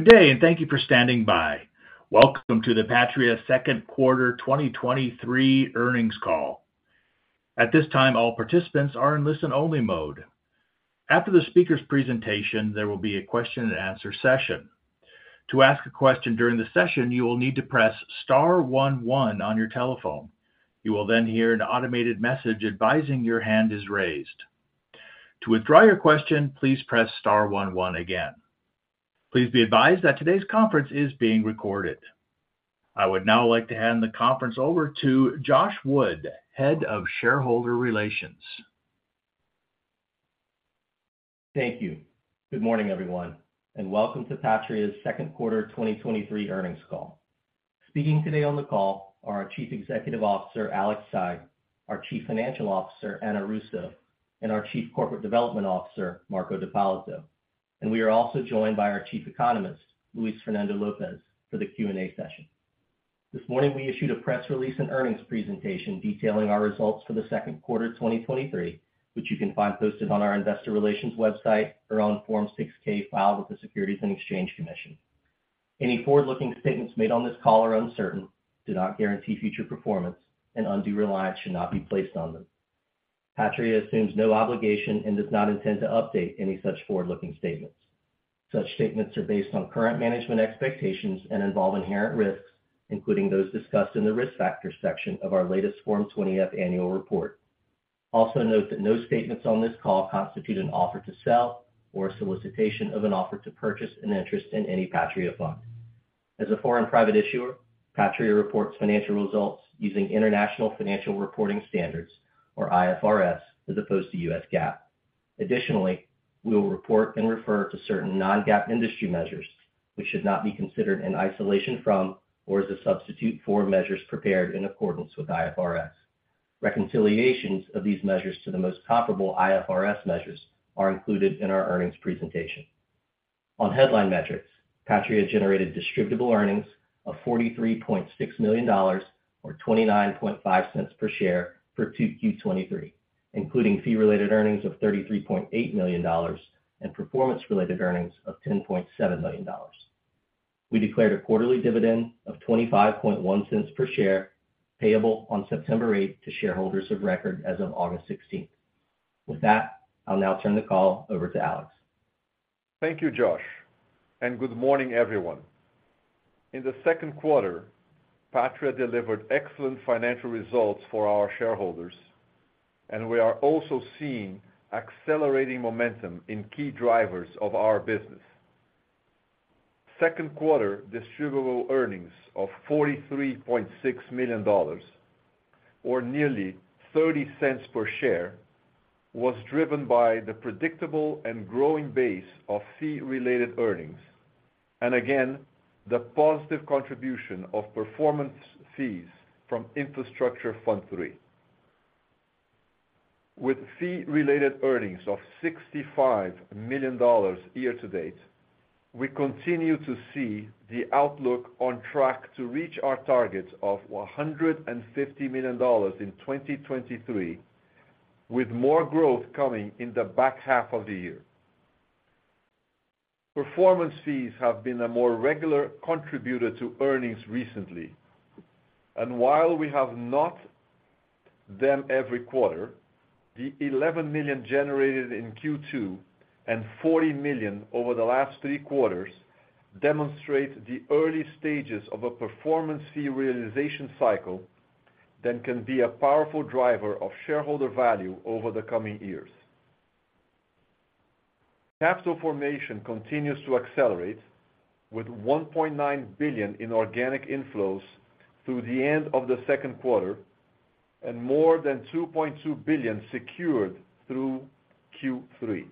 Good day, and thank you for standing by. Welcome to the Patria Q2 2023 Earnings Call. At this time, all participants are in listen-only mode. After the speaker's presentation, there will be a question-and-answer session. To ask a question during the session, you will need to press star one one on your telephone. You will then hear an automated message advising your hand is raised. To withdraw your question, please press star one one again. Please be advised that today's conference is being recorded. I would now like to hand the conference over to Josh Wood, Head of Shareholder Relations. Thank you. Good morning, everyone, and welcome to Patria's Q2 2023 Earnings Call. Speaking today on the call are our Chief Executive Officer, Alex Saigh, our Chief Financial Officer, Ana Russo, and our Chief Corporate Development Officer, Marco D'Ippolito. We are also joined by our Chief Economist, Luis Fernando Lopes, for the Q&A session. This morning, we issued a press release and earnings presentation detailing our results for the Q2 2023, which you can find posted on our investor relations website or on Form 6-K filed with the Securities and Exchange Commission. Any forward-looking statements made on this call are uncertain, do not guarantee future performance, and undue reliance should not be placed on them. Patria assumes no obligation and does not intend to update any such forward-looking statements. Such statements are based on current management expectations and involve inherent risks, including those discussed in the Risk Factors section of our latest Form 20-F annual report. Also note that no statements on this call constitute an offer to sell or a solicitation of an offer to purchase an interest in any Patria fund. As a foreign private issuer, Patria reports financial results using International Financial Reporting Standards, or IFRS, as opposed to U.S. GAAP. Additionally, we will report and refer to certain non-GAAP industry measures, which should not be considered in isolation from or as a substitute for measures prepared in accordance with IFRS. Reconciliations of these measures to the most comparable IFRS measures are included in our earnings presentation. On headline metrics, Patria generated distributable earnings of $43.6 million, or $0.295 per share for Q2 2023, including fee-related earnings of $33.8 million and performance-related earnings of $10.7 million. We declared a quarterly dividend of $0.251 per share, payable on September 8th to shareholders of record as of August 16th. With that, I'll now turn the call over to Alex. Thank you, Josh, and good morning, everyone. In the Q2, Patria delivered excellent financial results for our shareholders, and we are also seeing accelerating momentum in key drivers of our business. Q2 distributable earnings of $43.6 million, or nearly $0.30 per share, was driven by the predictable and growing base of fee-related earnings, and again, the positive contribution of performance fees from Infrastructure Fund III. With fee-related earnings of $65 million year-to-date, we continue to see the outlook on track to reach our target of $150 million in 2023, with more growth coming in the back half of the year. Performance fees have been a more regular contributor to earnings recently, and while we have not them every quarter, the $11 million generated in Q2 and $40 million over the last three quarters demonstrate the early stages of a performance fee realization cycle that can be a powerful driver of shareholder value over the coming years. Capital formation continues to accelerate, with $1.9 billion in organic inflows through the end of the Q2 and more than $2.2 billion secured through Q3.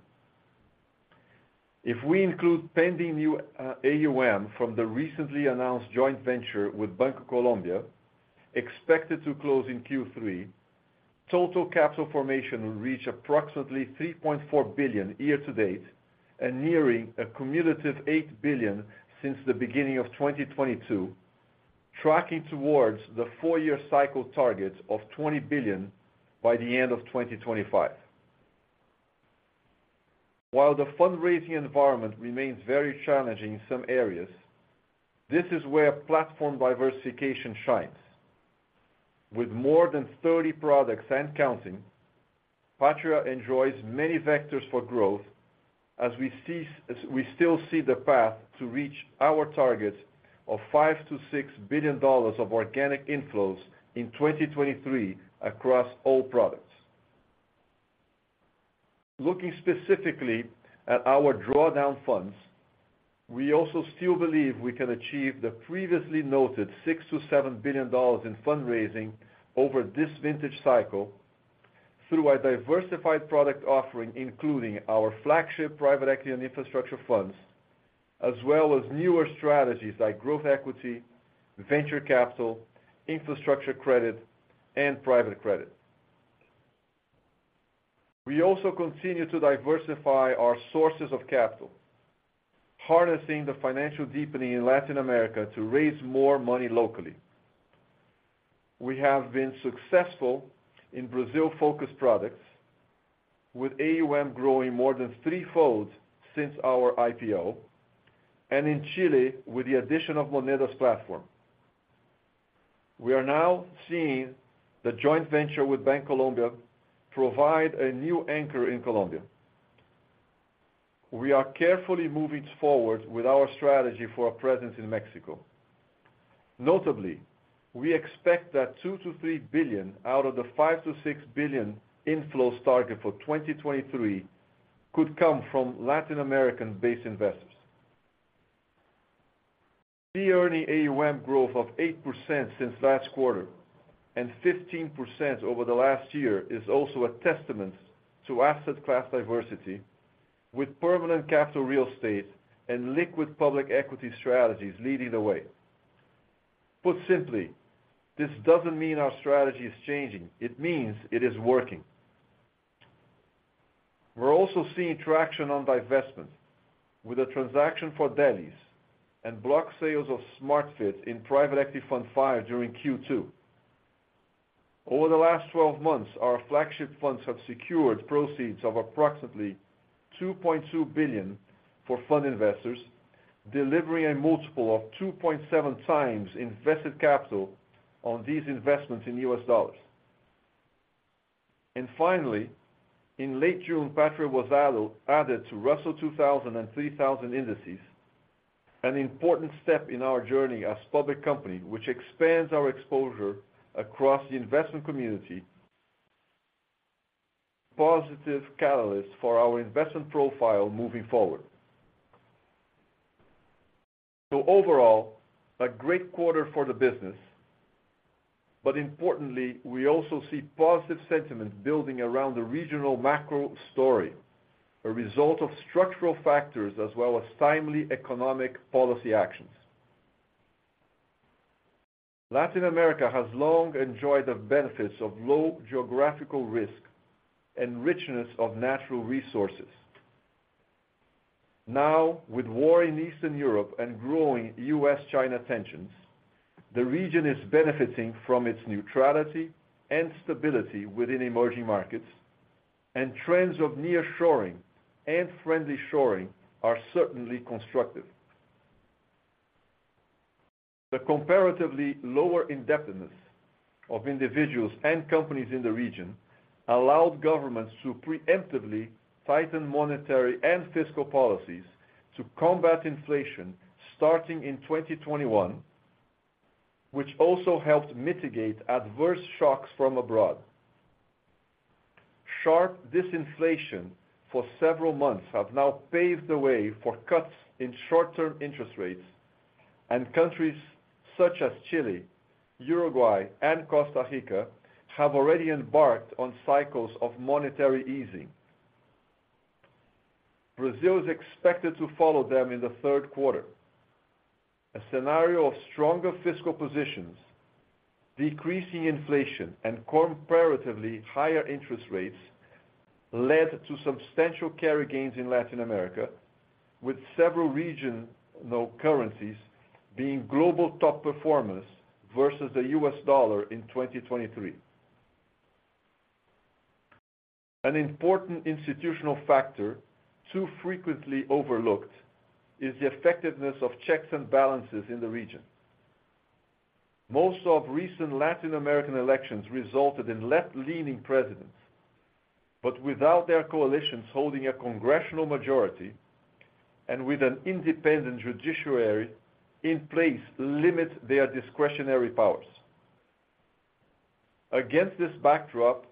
If we include pending new AUM from the recently announced joint venture with Bancolombia, expected to close in Q3, total capital formation will reach approximately $3.4 billion year to date and nearing a cumulative $8 billion since the beginning of 2022, tracking towards the four-year cycle target of $20 billion by the end of 2025. While the fundraising environment remains very challenging in some areas, this is where platform diversification shines. With more than 30 products and counting, Patria enjoys many vectors for growth as we still see the path to reach our target of $5 billion-$6 billion of organic inflows in 2023 across all products. Looking specifically at our drawdown funds, we also still believe we can achieve the previously noted $6 billion-$7 billion in fundraising over this vintage cycle through a diversified product offering, including our flagship private equity and infrastructure funds, as well as newer strategies like growth equity, venture capital, infrastructure credit, and private credit. We also continue to diversify our sources of capital, harnessing the financial deepening in Latin America to raise more money locally... We have been successful in Brazil-focused products, with AUM growing more than threefold since our IPO, and in Chile, with the addition of Moneda's platform. We are now seeing the joint venture with Bancolombia provide a new anchor in Colombia. We are carefully moving forward with our strategy for a presence in Mexico. Notably, we expect that $2 billion-$3 billion out of the $5 billion-$6 billion inflows target for 2023 could come from Latin American-based investors. Pre-earning AUM growth of 8% since last quarter and 15% over the last year is also a testament to asset class diversity, with permanent capital real estate and liquid public equity strategies leading the way. Put simply, this doesn't mean our strategy is changing, it means it is working. We're also seeing traction on divestment, with a transaction for Delis and block sales of SmartFit in Private Equity Fund V during Q2. Over the last 12 months, our flagship funds have secured proceeds of approximately $2.2 billion for fund investors, delivering a multiple of 2.7x invested capital on these investments in U.S. dollars. Finally, in late June, Patria was added to Russell 2000 and 3000 indexes, an important step in our journey as public company, which expands our exposure across the investment community, positive catalyst for our investment profile moving forward. Overall, a great quarter for the business, but importantly, we also see positive sentiment building around the regional macro story, a result of structural factors as well as timely economic policy actions. Latin America has long enjoyed the benefits of low geographical risk and richness of natural resources. Now, with war in Eastern Europe and growing US-China tensions, the region is benefiting from its neutrality and stability within emerging markets, and trends of nearshoring and friendly shoring are certainly constructive. The comparatively lower indebtedness of individuals and companies in the region allowed governments to preemptively tighten monetary and fiscal policies to combat inflation starting in 2021, which also helped mitigate adverse shocks from abroad. Sharp disinflation for several months have now paved the way for cuts in short-term interest rates, and countries such as Chile, Uruguay, and Costa Rica have already embarked on cycles of monetary easing. Brazil is expected to follow them in the Q3. A scenario of stronger fiscal positions, decreasing inflation, and comparatively higher interest rates led to substantial carry gains in Latin America, with several regional currencies being global top performers versus the US dollar in 2023. An important institutional factor, too frequently overlooked, is the effectiveness of checks and balances in the region. Most of recent Latin American elections resulted in left-leaning presidents, but without their coalitions holding a congressional majority and with an independent judiciary in place limit their discretionary powers. Against this backdrop,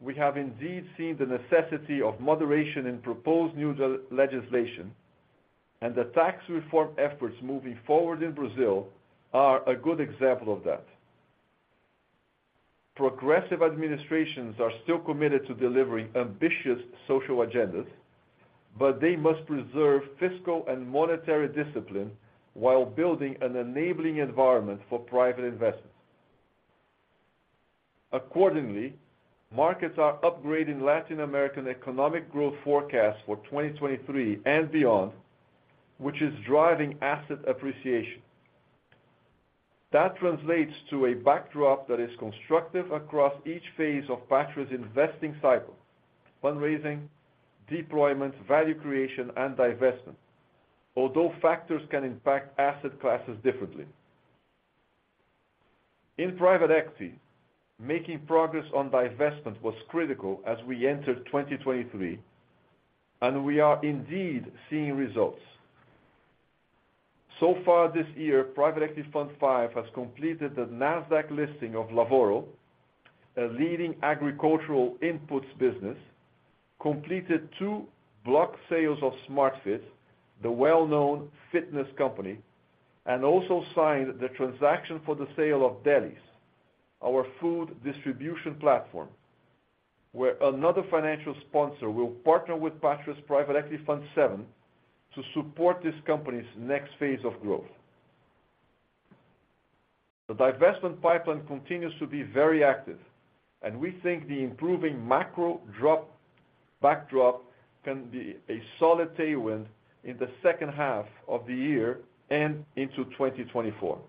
we have indeed seen the necessity of moderation in proposed new legislation, and the tax reform efforts moving forward in Brazil are a good example of that. Progressive administrations are still committed to delivering ambitious social agendas, but they must preserve fiscal and monetary discipline while building an enabling environment for private investors. Accordingly, markets are upgrading Latin American economic growth forecast for 2023 and beyond, which is driving asset appreciation. That translates to a backdrop that is constructive across each phase of Patria's investing cycle: fundraising, deployment, value creation, and divestment, although factors can impact asset classes differently. In private equity, making progress on divestment was critical as we entered 2023, and we are indeed seeing results. So far this year, Private Equity Fund V has completed the Nasdaq listing of Lavoro, a leading agricultural inputs business, completed 2 block sales of SmartFit, the well-known fitness company, and also signed the transaction for the sale of Delis, our food distribution platform, where another financial sponsor will partner with Patria's Private Equity Fund VII to support this company's next phase of growth. The divestment pipeline continues to be very active, and we think the improving macro drop-... backdrop can be a solid tailwind in the second half of the year and into 2024.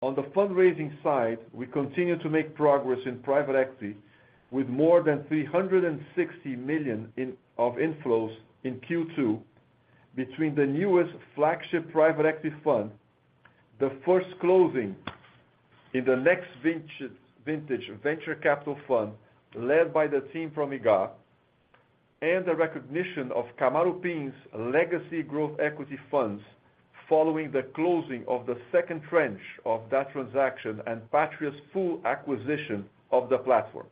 On the fundraising side, we continue to make progress in private equity, with more than $360 million of inflows in Q2, between the newest flagship private equity fund, the first closing in the next vintage, venture capital fund, led by the team from Igará, and the recognition of Kamaroopin's legacy growth equity funds, following the closing of the second trench of that transaction and Patria's full acquisition of the platform.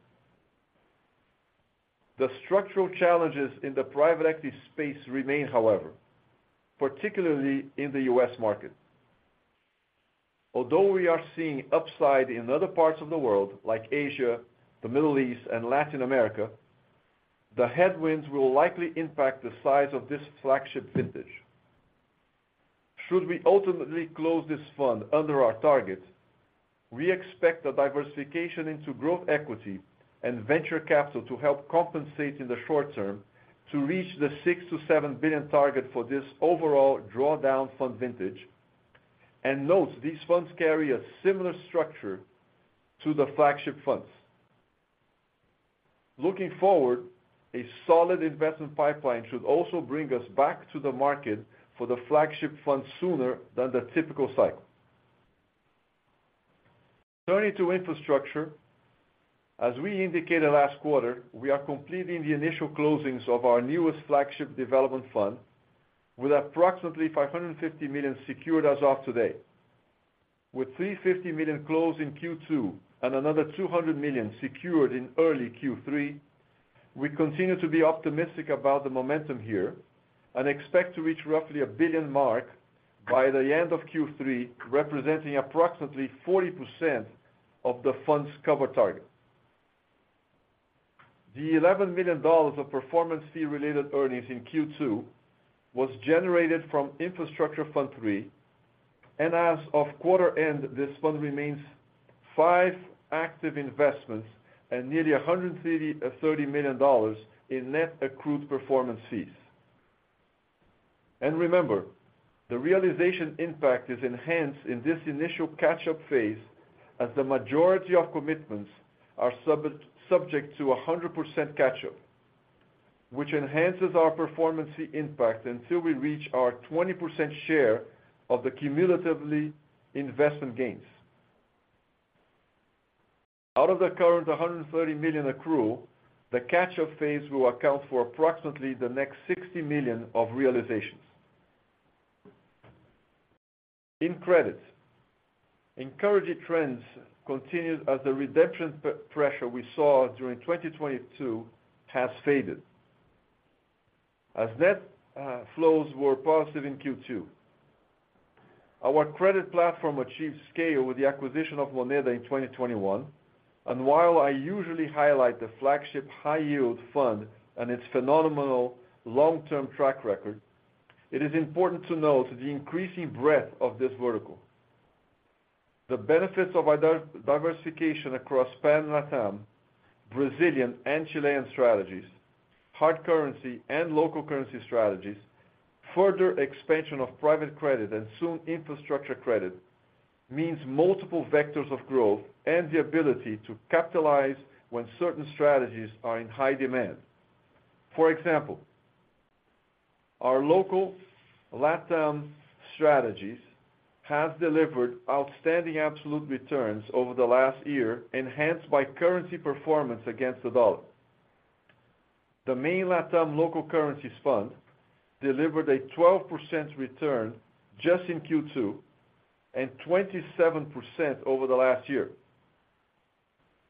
The structural challenges in the private equity space remain, however, particularly in the US market. We are seeing upside in other parts of the world, like Asia, the Middle East, and Latin America, the headwinds will likely impact the size of this flagship vintage. Should we ultimately close this fund under our target, we expect the diversification into growth equity and venture capital to help compensate in the short term, to reach the $6 billion-$7 billion target for this overall drawdown fund vintage. Note, these funds carry a similar structure to the flagship funds. Looking forward, a solid investment pipeline should also bring us back to the market for the flagship fund sooner than the typical cycle. Turning to infrastructure, as we indicated last quarter, we are completing the initial closings of our newest flagship development fund with approximately $550 million secured as of today. With $350 million closed in Q2 and another $200 million secured in early Q3, we continue to be optimistic about the momentum here and expect to reach roughly a $1 billion mark by the end of Q3, representing approximately 40% of the fund's cover target. The $11 million of performance fee-related earnings in Q2 was generated from Infrastructure Fund III. As of quarter end, this fund remains 5 active investments and nearly $130 million in net accrued performance fees. Remember, the realization impact is enhanced in this initial catch-up phase, as the majority of commitments are subject to 100% catch-up, which enhances our performance fee impact until we reach our 20% share of the cumulatively investment gains. Out of the current $130 million accrual, the catch-up phase will account for approximately the next $60 million of realizations. In credit, encouraging trends continued as the redemption pressure we saw during 2022 has faded, as net flows were positive in Q2. Our credit platform achieved scale with the acquisition of Moneda in 2021. While I usually highlight the flagship high-yield fund and its phenomenal long-term track record, it is important to note the increasing breadth of this vertical. The benefits of our diversification across Pan Latam, Brazilian and Chilean strategies, hard currency and local currency strategies, further expansion of private credit, and soon infrastructure credit, means multiple vectors of growth and the ability to capitalize when certain strategies are in high demand. For example, our local Latam strategies have delivered outstanding absolute returns over the last year, enhanced by currency performance against the US dollar. The main Latam local currencies fund delivered a 12% return just in Q2, and 27% over the last year.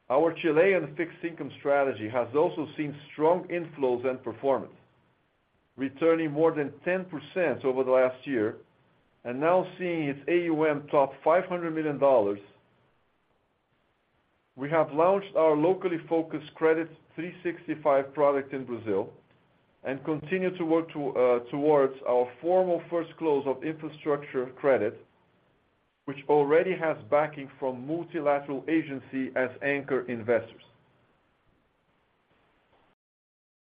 Our Chilean fixed income strategy has also seen strong inflows and performance, returning more than 10% over the last year and now seeing its AUM top $500 million. We have launched our locally focused Credit 365 product in Brazil and continue to work towards our formal first close of infrastructure credit, which already has backing from multilateral agency as anchor investors.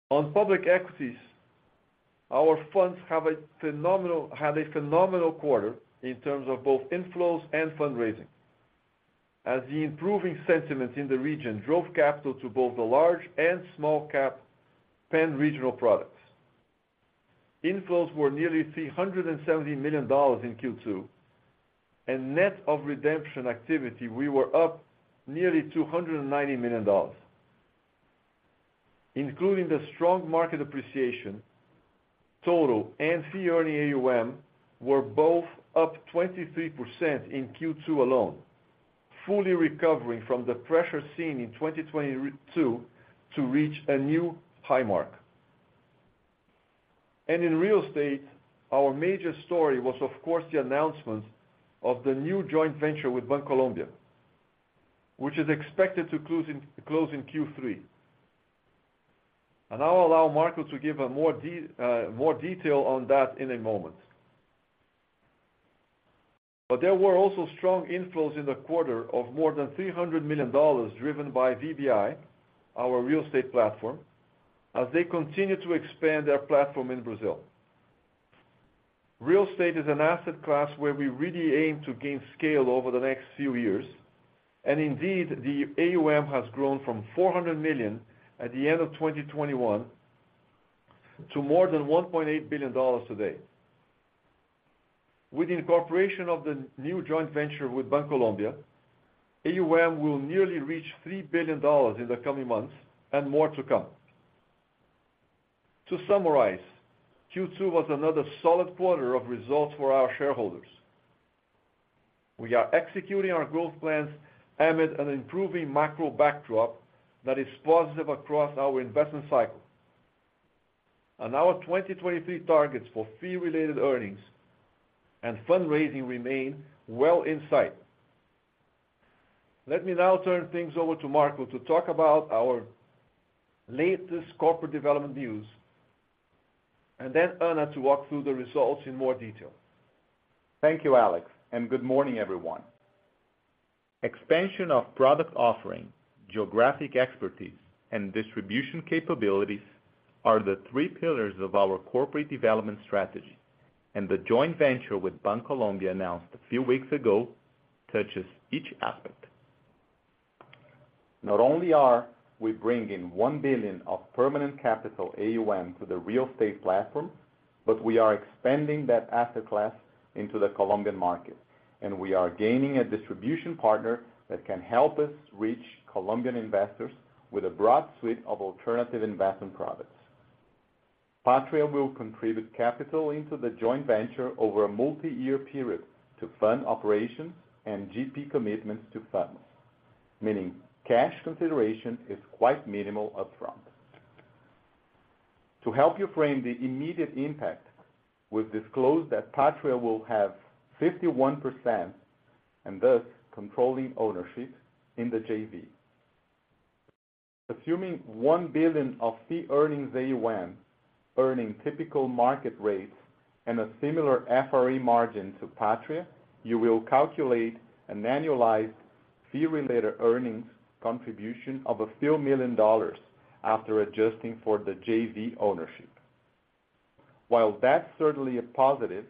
On public equities, our funds had a phenomenal quarter in terms of both inflows and fundraising, as the improving sentiment in the region drove capital to both the large and small cap pan-regional products. Inflows were nearly $370 million in Q2. Net of redemption activity, we were up nearly $290 million. Including the strong market appreciation, total and fee-earning AUM were both up 23% in Q2 alone, fully recovering from the pressure seen in 2022 to reach a new high mark. In real estate, our major story was, of course, the announcement of the new joint venture with Bancolombia, which is expected to close in, close in Q3. I'll allow Marco to give more detail on that in a moment. There were also strong inflows in the quarter of more than $300 million, driven by VBI, our real estate platform, as they continue to expand their platform in Brazil. Real estate is an asset class where we really aim to gain scale over the next few years. Indeed, the AUM has grown from $400 million at the end of 2021 to more than $1.8 billion today. With the incorporation of the new joint venture with Bancolombia, AUM will nearly reach $3 billion in the coming months, and more to come. To summarize, Q2 was another solid quarter of results for our shareholders. We are executing our growth plans amid an improving macro backdrop that is positive across our investment cycle. Our 2023 targets for fee-related earnings and fundraising remain well in sight. Let me now turn things over to Marco to talk about our latest corporate development news, and then Ana to walk through the results in more detail. Thank you, Alex, and good morning, everyone. Expansion of product offering, geographic expertise, and distribution capabilities are the three pillars of our corporate development strategy. The joint venture with Bancolombia, announced a few weeks ago, touches each aspect. Not only are we bringing $1 billion of permanent capital AUM to the real estate platform. We are expanding that asset class into the Colombian market. We are gaining a distribution partner that can help us reach Colombian investors with a broad suite of alternative investment products. Patria will contribute capital into the joint venture over a multi-year period to fund operations and GP commitments to funds, meaning cash consideration is quite minimal up front. To help you frame the immediate impact, we've disclosed that Patria will have 51%, and thus, controlling ownership in the JV. Assuming $1 billion of fee earnings AUM, earning typical market rates and a similar FRE margin to Patria, you will calculate an annualized fee-related earnings contribution of a few million dollars after adjusting for the JV ownership. While that's certainly a positive,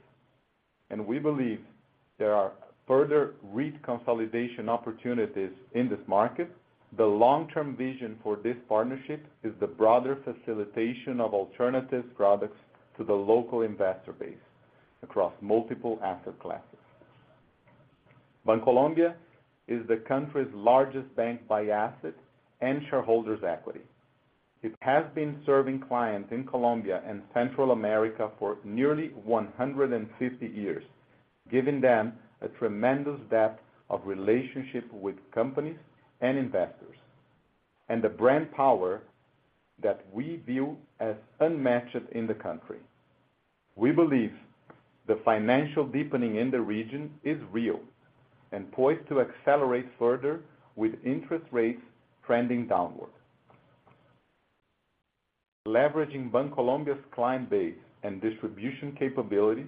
and we believe there are further REIT consolidation opportunities in this market, the long-term vision for this partnership is the broader facilitation of alternatives products to the local investor base across multiple asset classes. Bancolombia is the country's largest bank by asset and shareholders' equity. It has been serving clients in Colombia and Central America for nearly 150 years, giving them a tremendous depth of relationship with companies and investors, and the brand power that we view as unmatched in the country. We believe the financial deepening in the region is real and poised to accelerate further with interest rates trending downward. Leveraging Bancolombia's client base and distribution capabilities,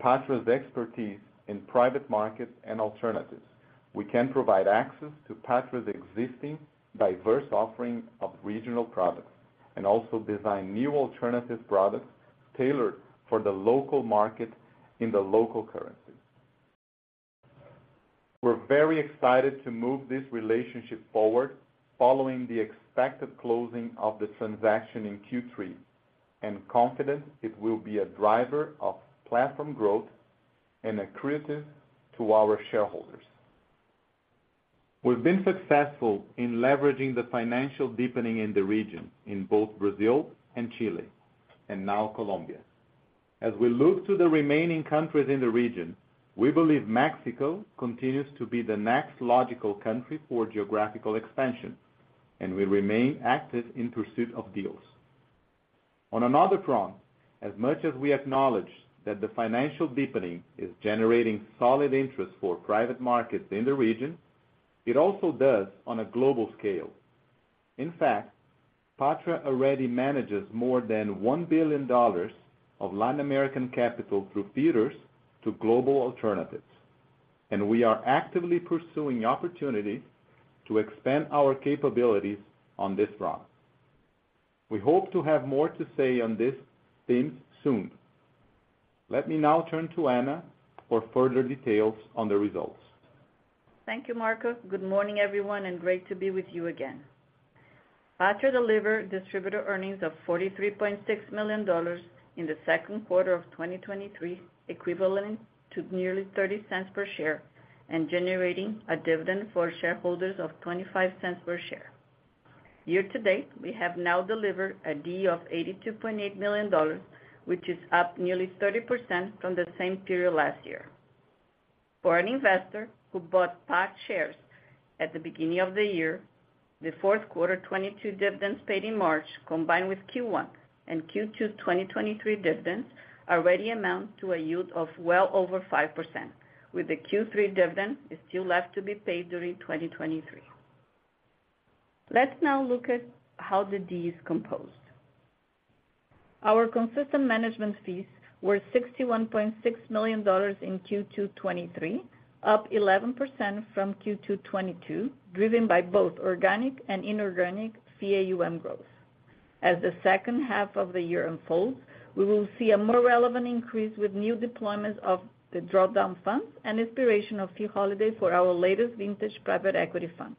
Patria's expertise in private markets and alternatives, we can provide access to Patria's existing diverse offering of regional products, also design new alternative products tailored for the local market in the local currency. We're very excited to move this relationship forward following the expected closing of the transaction in Q3, confident it will be a driver of platform growth and accretive to our shareholders. We've been successful in leveraging the financial deepening in the region in both Brazil and Chile, now Colombia. As we look to the remaining countries in the region, we believe Mexico continues to be the next logical country for geographical expansion, we remain active in pursuit of deals. On another front, as much as we acknowledge that the financial deepening is generating solid interest for private markets in the region, it also does on a global scale. In fact, Patria already manages more than $1 billion of Latin American capital through feeders to global alternatives, we are actively pursuing opportunities to expand our capabilities on this front. We hope to have more to say on this theme soon. Let me now turn to Ana for further details on the results. Thank you, Marco D'Ippolito. Good morning, everyone, great to be with you again. Patria delivered distributable earnings of $43.6 million in 2Q23, equivalent to nearly $0.30 per share and generating a dividend for shareholders of $0.25 per share. Year to date, we have now delivered a DE of $82.8 million, which is up nearly 30% from the same period last year. For an investor who bought PAX shares at the beginning of the year, the Q4 2022 dividends paid in March, combined with Q1 and Q2 2023 dividends, already amount to a yield of well over 5%, with the Q3 dividend is still left to be paid during 2023. Let's now look at how the DE is composed. Our consistent management fees were $61.6 million in Q2 2023, up 11% from Q2 2022, driven by both organic and inorganic fee AUM growth. As the second half of the year unfolds, we will see a more relevant increase with new deployments of the drawdown funds and inspiration of fee holiday for our latest vintage private equity fund.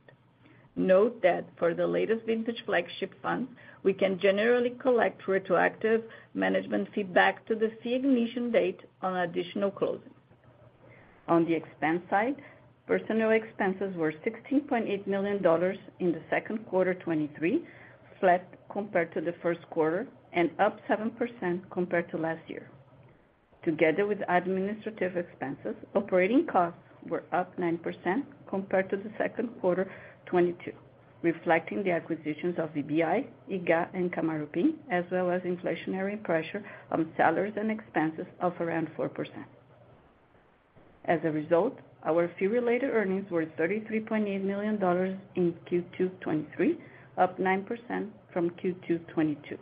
Note that for the latest vintage flagship fund, we can generally collect retroactive management fee back to the fee ignition date on additional closings. On the expense side, personnel expenses were $16.8 million in the Q2 of 2023, flat compared to the Q1, and up 7% compared to last year. Together with administrative expenses, operating costs were up 9% compared to the Q2 of 2022, reflecting the acquisitions of VBI, Igará, and Kamaroopin, as well as inflationary pressure on salaries and expenses of around 4%. As a result, our fee-related earnings were $33.8 million in Q2 2023, up 9% from Q2 2022.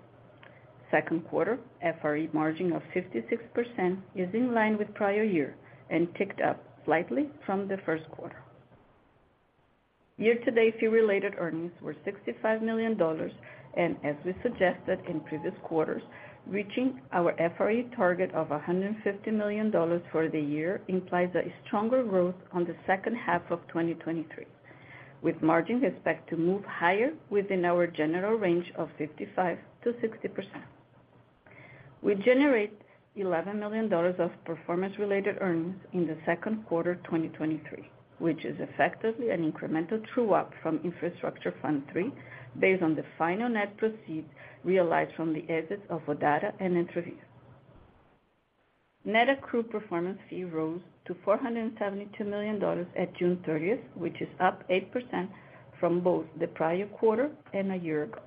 Q2, FRE margin of 56% is in line with prior year and ticked up slightly from the Q1. Year-to-date, fee-related earnings were $65 million, and as we suggested in previous quarters, reaching our FRE target of $150 million for the year implies a stronger growth on the second half of 2023, with margin expected to move higher within our general range of 55%-60%. We generate $11 million of performance-related earnings in 2Q23, which is effectively an incremental true-up from Infrastructure Fund III, based on the final net proceeds realized from the exits of ODATA and Entrevias. Net accrued performance fee rose to $472 million at June 30th, which is up 8% from both the prior quarter and a year ago.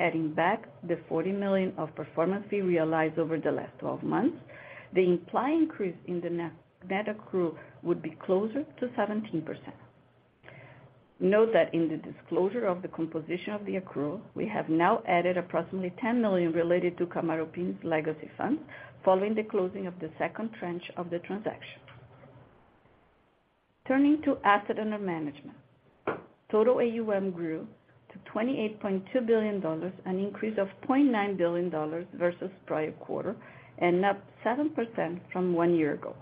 Adding back the $40 million of performance fee realized over the last 12 months, the implied increase in the net, net accrue would be closer to 17%. Note that in the disclosure of the composition of the accrue, we have now added approximately $10 million related to Kamaroopin's legacy fund, following the closing of the second tranche of the transaction. Turning to asset under management. Total AUM grew to $28.2 billion, an increase of $0.9 billion versus prior quarter and up 7% from one year ago.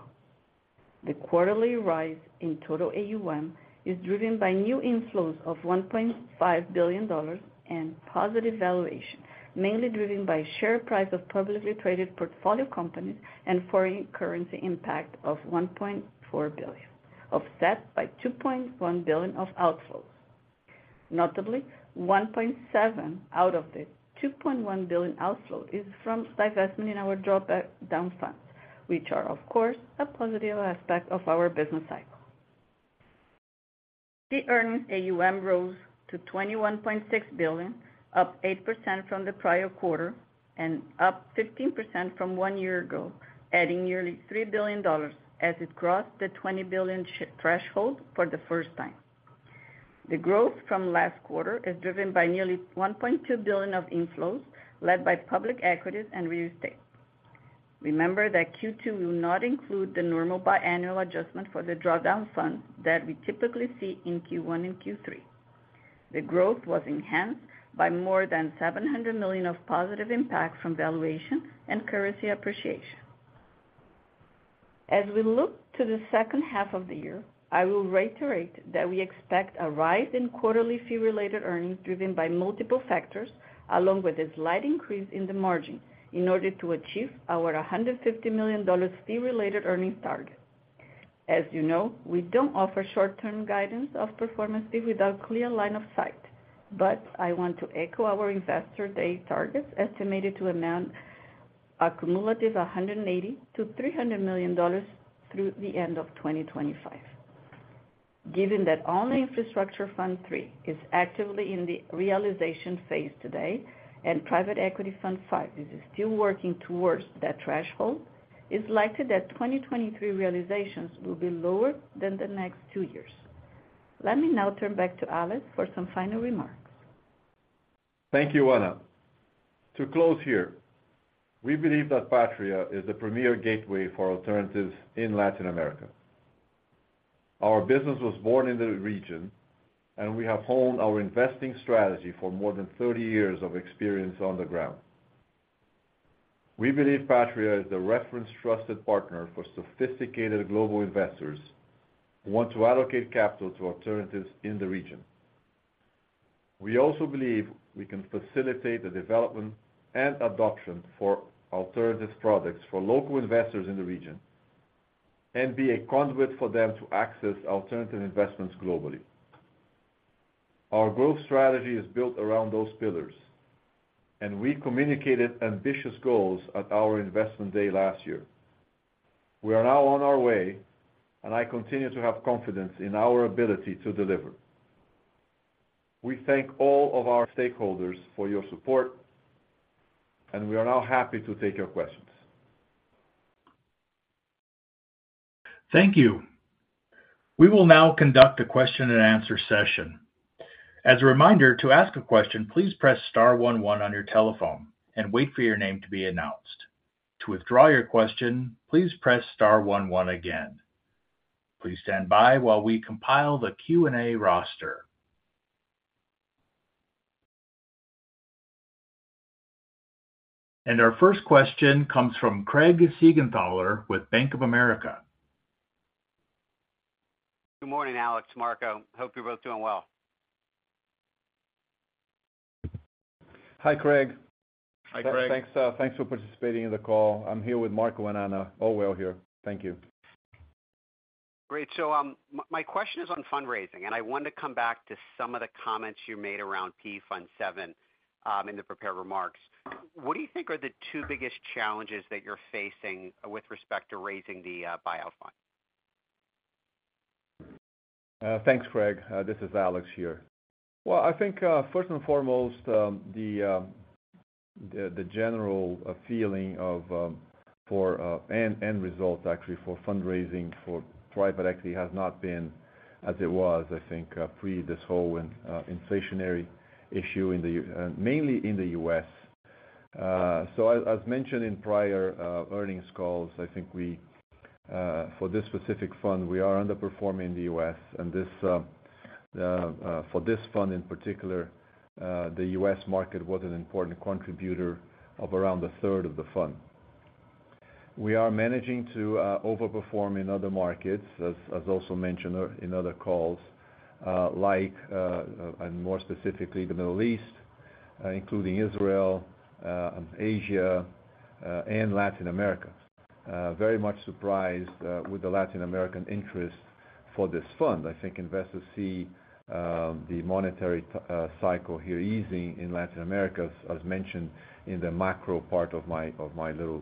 The quarterly rise in total AUM is driven by new inflows of $1.5 billion and positive valuation, mainly driven by share price of publicly traded portfolio companies and foreign currency impact of $1.4 billion, offset by $2.1 billion of outflows. Notably, $1.7 out of the $2.1 billion outflow is from divestment in our drawdown funds, which are, of course, a positive aspect of our business cycle. The earnings AUM rose to $21.6 billion, up 8% from the prior quarter and up 15% from one year ago, adding nearly $3 billion as it crossed the $20 billion threshold for the first time. The growth from last quarter is driven by nearly $1.2 billion of inflows, led by public equities and real estate. Remember that Q2 will not include the normal biannual adjustment for the drawdown fund that we typically see in Q1 and Q3. The growth was enhanced by more than $700 million of positive impact from valuation and currency appreciation. As we look to the second half of the year, I will reiterate that we expect a rise in quarterly fee-related earnings, driven by multiple factors, along with a slight increase in the margin, in order to achieve our $150 million fee-related earnings target. As you know, we don't offer short-term guidance of performance fee without clear line of sight, I want to echo our Investor Day targets, estimated to amount a cumulative $180 million-$300 million through the end of 2025. Given that only Infrastructure Fund III is actively in the realization phase today, and Private Equity Fund V is still working towards that threshold, it's likely that 2023 realizations will be lower than the next two years. Let me now turn back to Alex for some final remarks. Thank you, Ana. To close here, we believe that Patria is the premier gateway for alternatives in Latin America. Our business was born in the region, and we have honed our investing strategy for more than 30 years of experience on the ground. We believe Patria is the reference trusted partner for sophisticated global investors who want to allocate capital to alternatives in the region. We also believe we can facilitate the development and adoption for alternative products for local investors in the region and be a conduit for them to access alternative investments globally. Our growth strategy is built around those pillars, and we communicated ambitious goals at our Investment Day last year. We are now on our way, and I continue to have confidence in our ability to deliver. We thank all of our stakeholders for your support, and we are now happy to take your questions. Thank you. We will now conduct a question and answer session. As a reminder, to ask a question, please press star one one on your telephone and wait for your name to be announced. To withdraw your question, please press star one one again. Please stand by while we compile the Q&A roster. Our first question comes from Craig Siegenthaler with Bank of America. Good morning, Alex, Marco. Hope you're both doing well. Hi, Craig. Hi, Craig. Thanks, thanks for participating in the call. I'm here with Marco and Ana. All well here. Thank you. Great. My question is on fundraising, and I want to come back to some of the comments you made around PE Fund VII, in the prepared remarks. What do you think are the two biggest challenges that you're facing with respect to raising the buyout fund? Thanks, Craig. This is Alex here. Well, I think, first and foremost, the general feeling of for end, end results, actually, for fundraising, for private equity has not been as it was, I think, pre this whole inflationary issue in the U.S., mainly in the U.S. As mentioned in prior earnings calls, I think we for this specific fund, we are underperforming in the U.S., and this for this fund in particular, the U.S. market was an important contributor of around a third of the fund. We are managing to overperform in other markets, as also mentioned in other calls, like and more specifically, the Middle East, including Israel, Asia, and Latin America. Very much surprised with the Latin American interest for this fund. I think investors see the monetary cycle here easing in Latin America, as, as mentioned in the macro part of my little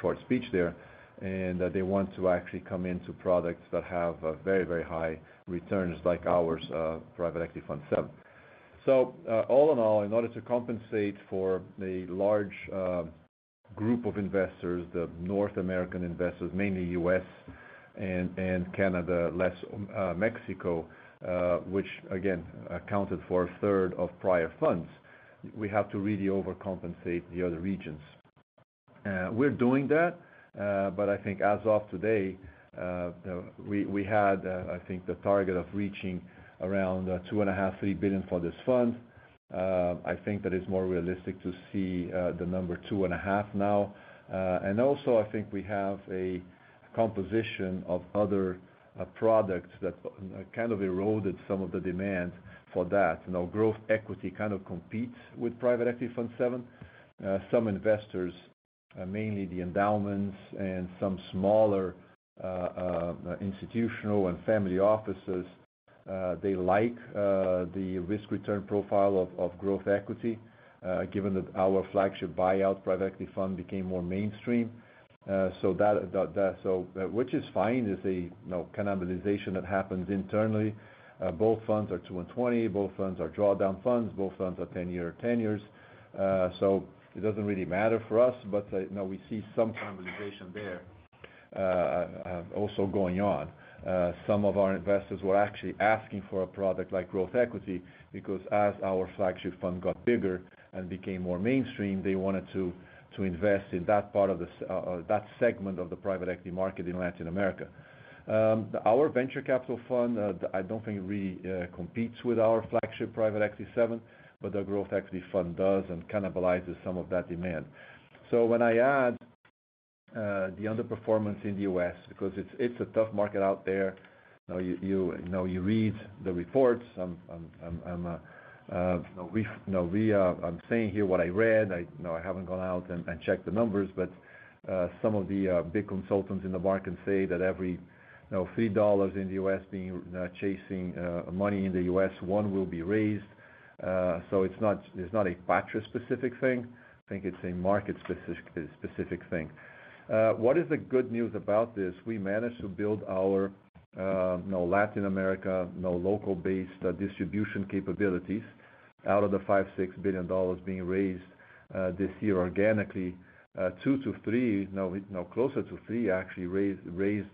short speech there, and that they want to actually come into products that have a very, very high returns like ours, Private Equity Fund VII. All in all, in order to compensate for the large group of investors, the North American investors, mainly US and Canada, less Mexico, which again, accounted for one-third of prior funds, we have to really overcompensate the other regions. We're doing that, I think as of today, we, we had, I think the target of reaching around $2.5 billion-$3 billion for this fund. I think that it's more realistic to see the number 2.5 now. Also I think we have a composition of other products that kind of eroded some of the demand for that. You know, growth equity kind of competes with Private Equity Fund VII. Some investors, mainly the endowments and some smaller institutional and family offices, they like the risk-return profile of growth equity, given that our flagship buyout private equity fund became more mainstream. So, which is fine, it's a, you know, cannibalization that happens internally. Both funds are two and 20, both funds are drawdown funds, both funds are 10-year tenures. It doesn't really matter for us, but, you know, we see some cannibalization there also going on. Some of our investors were actually asking for a product like growth equity, because as our flagship fund got bigger and became more mainstream, they wanted to, to invest in that part of that segment of the private equity market in Latin America. Our venture capital fund, I don't think really competes with our flagship Private Equity Fund VII, but the growth equity fund does and cannibalizes some of that demand. When I add the underperformance in the U.S., because it's, it's a tough market out there. You, you, you know, you read the reports, I'm, I'm, I'm, you know, we, I'm saying here what I read. I, you know, I haven't gone out and, and checked the numbers, but some of the big consultants in the market say that every, you know, $3 in the U.S. being chasing money in the U.S., one will be raised. It's not, it's not a Patria-specific thing, I think it's a market specific thing. What is the good news about this? We managed to build our, you know, Latin America, you know, local-based distribution capabilities out of the $5 billion-$6 billion being raised this year organically, two to three, you know, no, closer to three, actually, raised, raised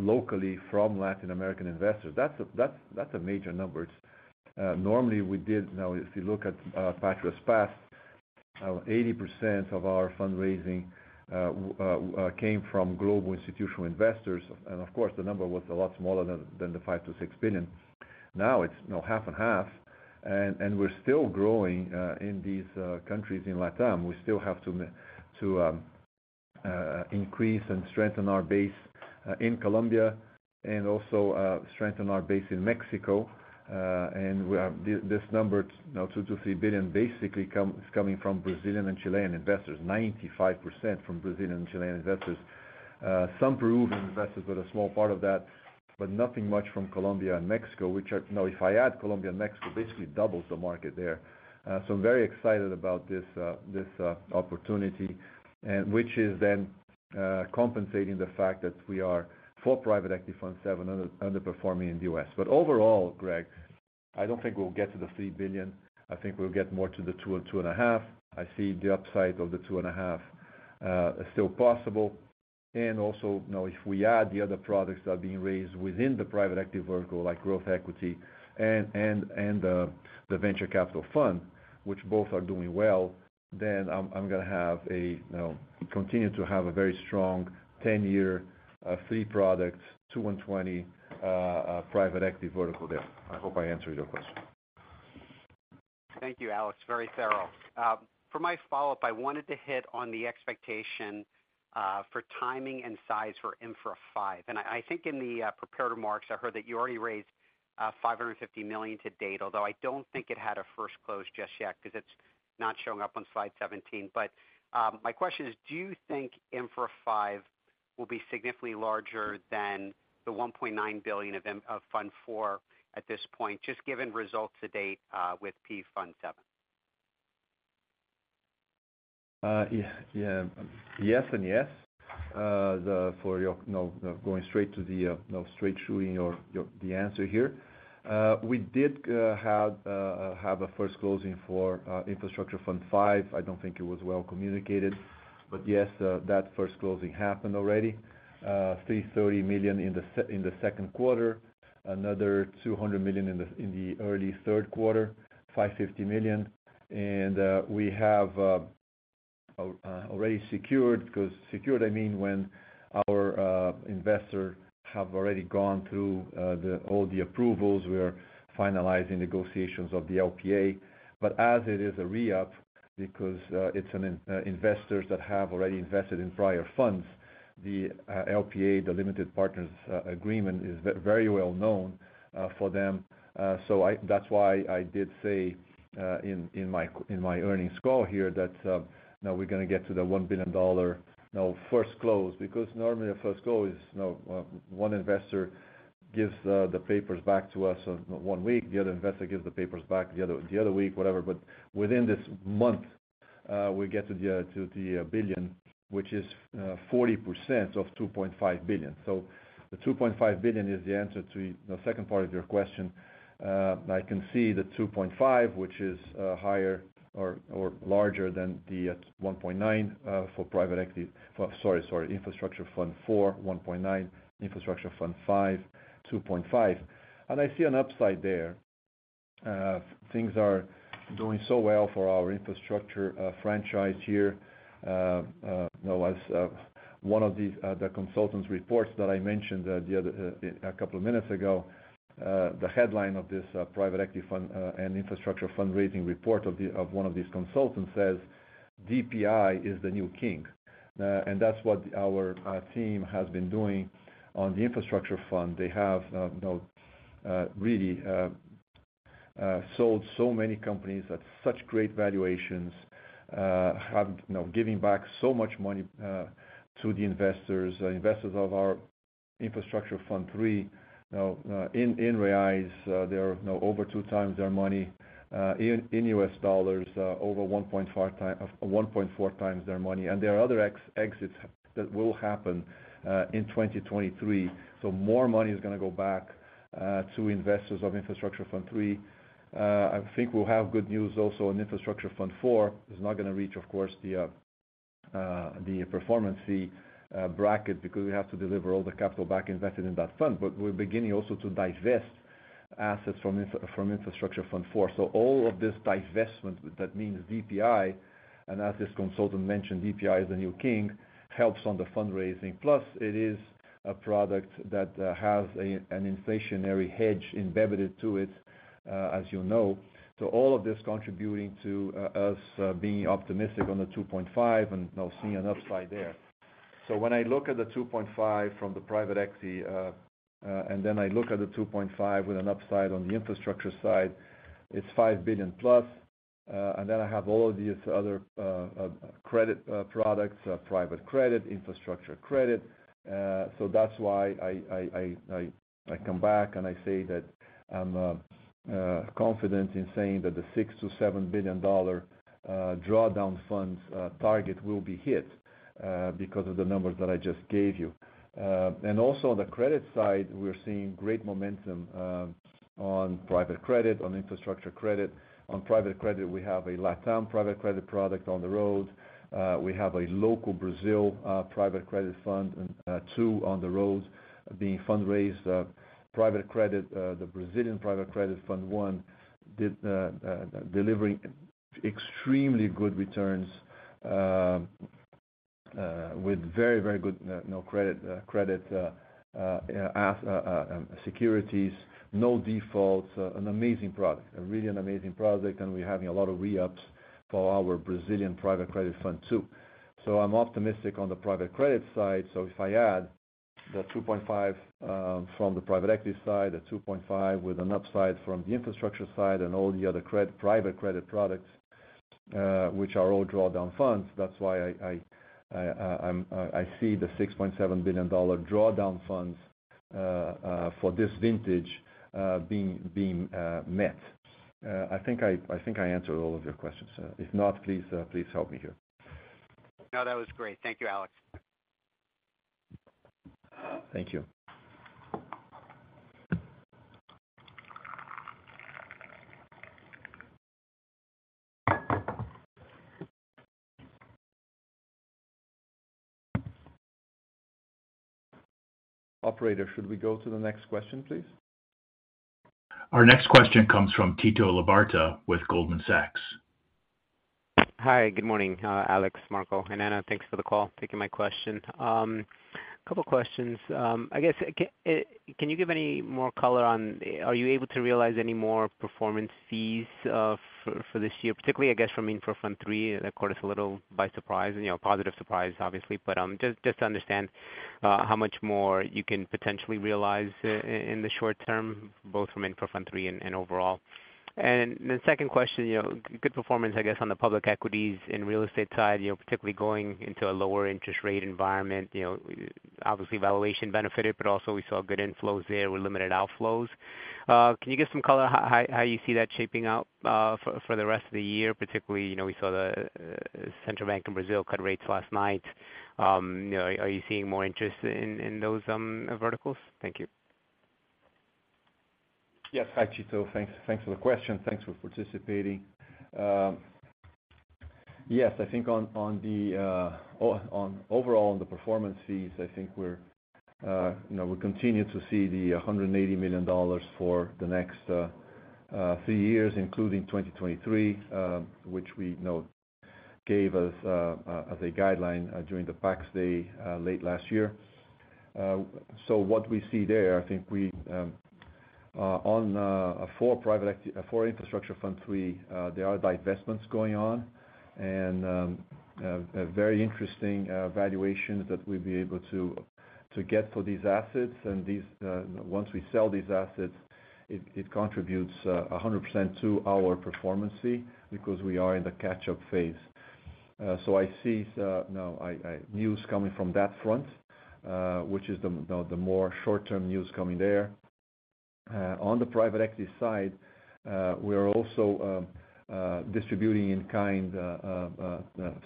locally from Latin American investors. That's a, that's, that's a major number. Normally we did... Now, if you look at Patria's past, 80% of our fundraising came from global institutional investors, and of course, the number was a lot smaller than the $5 billion-$6 billion. Now it's, you know, 50/50, and we're still growing in these countries in Latam. We still have to increase and strengthen our base in Colombia and also strengthen our base in Mexico. We have this number, you know, $2 billion-$3 billion basically come, is coming from Brazilian and Chilean investors, 95% from Brazilian and Chilean investors. Some Peruvian investors, but a small part of that, but nothing much from Colombia and Mexico, which you know, if I add Colombia and Mexico, basically doubles the market there. I'm very excited about this opportunity, which is then compensating the fact that we are, for Private Equity Fund VII, underperforming in the U.S. Overall, I don't think we'll get to the $3 billion. I think we'll get more to the $2 billion or $2.5 billion. I see the upside of the $2.5 billion is still possible. Also, you know, if we add the other products that are being raised within the private active vertical, like growth equity and the venture capital fund, which both are doing well, then I'm gonna have a, you know, continue to have a very strong 10-year, three product, two and 20 private active vertical there. I hope I answered your question. Thank you, Alex, very thorough. For my follow-up, I wanted to hit on the expectation for timing and size for Infra V. I, I think in the prepared remarks, I heard that you already raised $550 million to date, although I don't think it had a first close just yet, 'cause it's not showing up on slide 17. My question is, do you think Infra V will be significantly larger than the $1.9 billion of Fund IV at this point, just given results to date, with PE Fund VII? Yeah, yeah. Yes and yes. The, for your, you know, going straight to the, you know, straight shooting your, your, the answer here. We did have a first closing for Infrastructure Fund V. I don't think it was well communicated, but yes, that first closing happened already. $330 million in the Q2, another $200 million in the early Q3, $550 million. We have already secured, I mean, when our investor have already gone through the, all the approvals, we are finalizing negotiations of the LPA. As it is a re-up, because it's an investors that have already invested in prior funds, the LPA, the Limited Partners Agreement, is very well known for them. So I-- that's why I did say in my earnings call here, that, you know, we're going to get to the $1 billion, you know, first close. Because normally, a first close is, you know, one investor gives the papers back to us on one week, the other investor gives the papers back the other, the other week, whatever. But within this month, we get to the billion, which is 40% of $2.5 billion. So the $2.5 billion is the answer to the second part of your question. I can see the $2.5 billion, which is higher or larger than the $1.9 billion for private equity. Sorry, sorry, Infrastructure Fund IV, $1.9 billion, Infrastructure Fund V, $2.5 billion. I see an upside there. Things are doing so well for our infrastructure franchise here. You know, as one of the consultants' reports that I mentioned the other a couple of minutes ago, the headline of this private active fund and infrastructure fund raising report of the of one of these consultants says, "DPI is the new king." That's what our team has been doing on the infrastructure fund. They have, you know, really sold so many companies at such great valuations, have, you know, giving back so much money to the investors. Investors of our Infrastructure Fund III, you know, in BRL, they are, you know, over 2x their money, in US dollars, over 1.5x- 1.4x their money. There are other exits that will happen in 2023. More money is gonna go back to investors of Infrastructure Fund III. I think we'll have good news also on Infrastructure Fund IV. It's not gonna reach, of course, the performance bracket, because we have to deliver all the capital back invested in that fund. We're beginning also to divest assets from Infrastructure Fund IV. All of this divestment, that means DPI, and as this consultant mentioned, "DPI is the new king," helps on the fundraising. Plus, it is a product that has an inflationary hedge embedded to it, as you know. All of this contributing to us being optimistic on the $2.5 billion, and I'll see an upside there. When I look at the $2.5 billion from the private equity, and then I look at the $2.5 billion with an upside on the infrastructure side, it's $5 billion+. I have all of these other credit products, private credit, infrastructure credit. That's why I, I, I, I, I come back and I say that I'm confident in saying that the $6 billion-$7 billion drawdown funds target will be hit because of the numbers that I just gave you. Also on the credit side, we're seeing great momentum on private credit, on infrastructure credit. On private credit, we have a Latam private credit product on the road. We have a local Brazil Private Credit Fund, and two on the road being fundraised. Private credit, the Brazilian Private Credit Fund I, did delivering extremely good returns with very, very good, you know, credit, credit securities, no defaults, an amazing product, really an amazing product, and we're having a lot of re-ups for our Brazilian Private Credit Fund II. I'm optimistic on the private credit side. If I add the $2.5 from the private equity side, the $2.5 with an upside from the infrastructure side and all the other credit, private credit products, which are all drawdown funds, that's why I see the $6.7 billion drawdown funds for this vintage being met. I think I answered all of your questions. If not, please help me here. No, that was great. Thank you, Alex. Thank you. Operator, should we go to the next question, please? Our next question comes from Tito Labarta with Goldman Sachs. Hi, good morning, Alex, Marco, and Anna. Thanks for the call, taking my question. Couple questions. I guess, can you give any more color on are you able to realize any more performance fees for this year, particularly, I guess, from Infrastructure Fund III? That caught us a little by surprise, you know, a positive surprise, obviously. Just to understand how much more you can potentially realize in the short term, both from Infrastructure Fund III and overall. The second question, you know, good performance, I guess, on the public equities and real estate side, you know, particularly going into a lower interest rate environment. You know, obviously, valuation benefited, but also we saw good inflows there with limited outflows. Can you give some color h-how, how you see that shaping out for, for the rest of the year? Particularly, you know, we saw the central bank in Brazil cut rates last night. You know, are you seeing more interest in, in those verticals? Thank you. Yes. Hi, Tito. Thanks. Thanks for the question. Thanks for participating. Yes, I think on, on the overall, on the performance fees, I think we're, you know, we continue to see the $180 million for the next three years, including 2023, which we know gave us as a guideline during the PAX Day late last year. What we see there, I think we, on, for private for Infrastructure Fund III, there are divestments going on and a very interesting valuation that we'll be able to get for these assets. These, once we sell these assets, it, it contributes 100% to our performance fee because we are in the catch-up phase. I see now, I, I news coming from that front, which is the more short-term news coming there. On the private equity side, we are also distributing in kind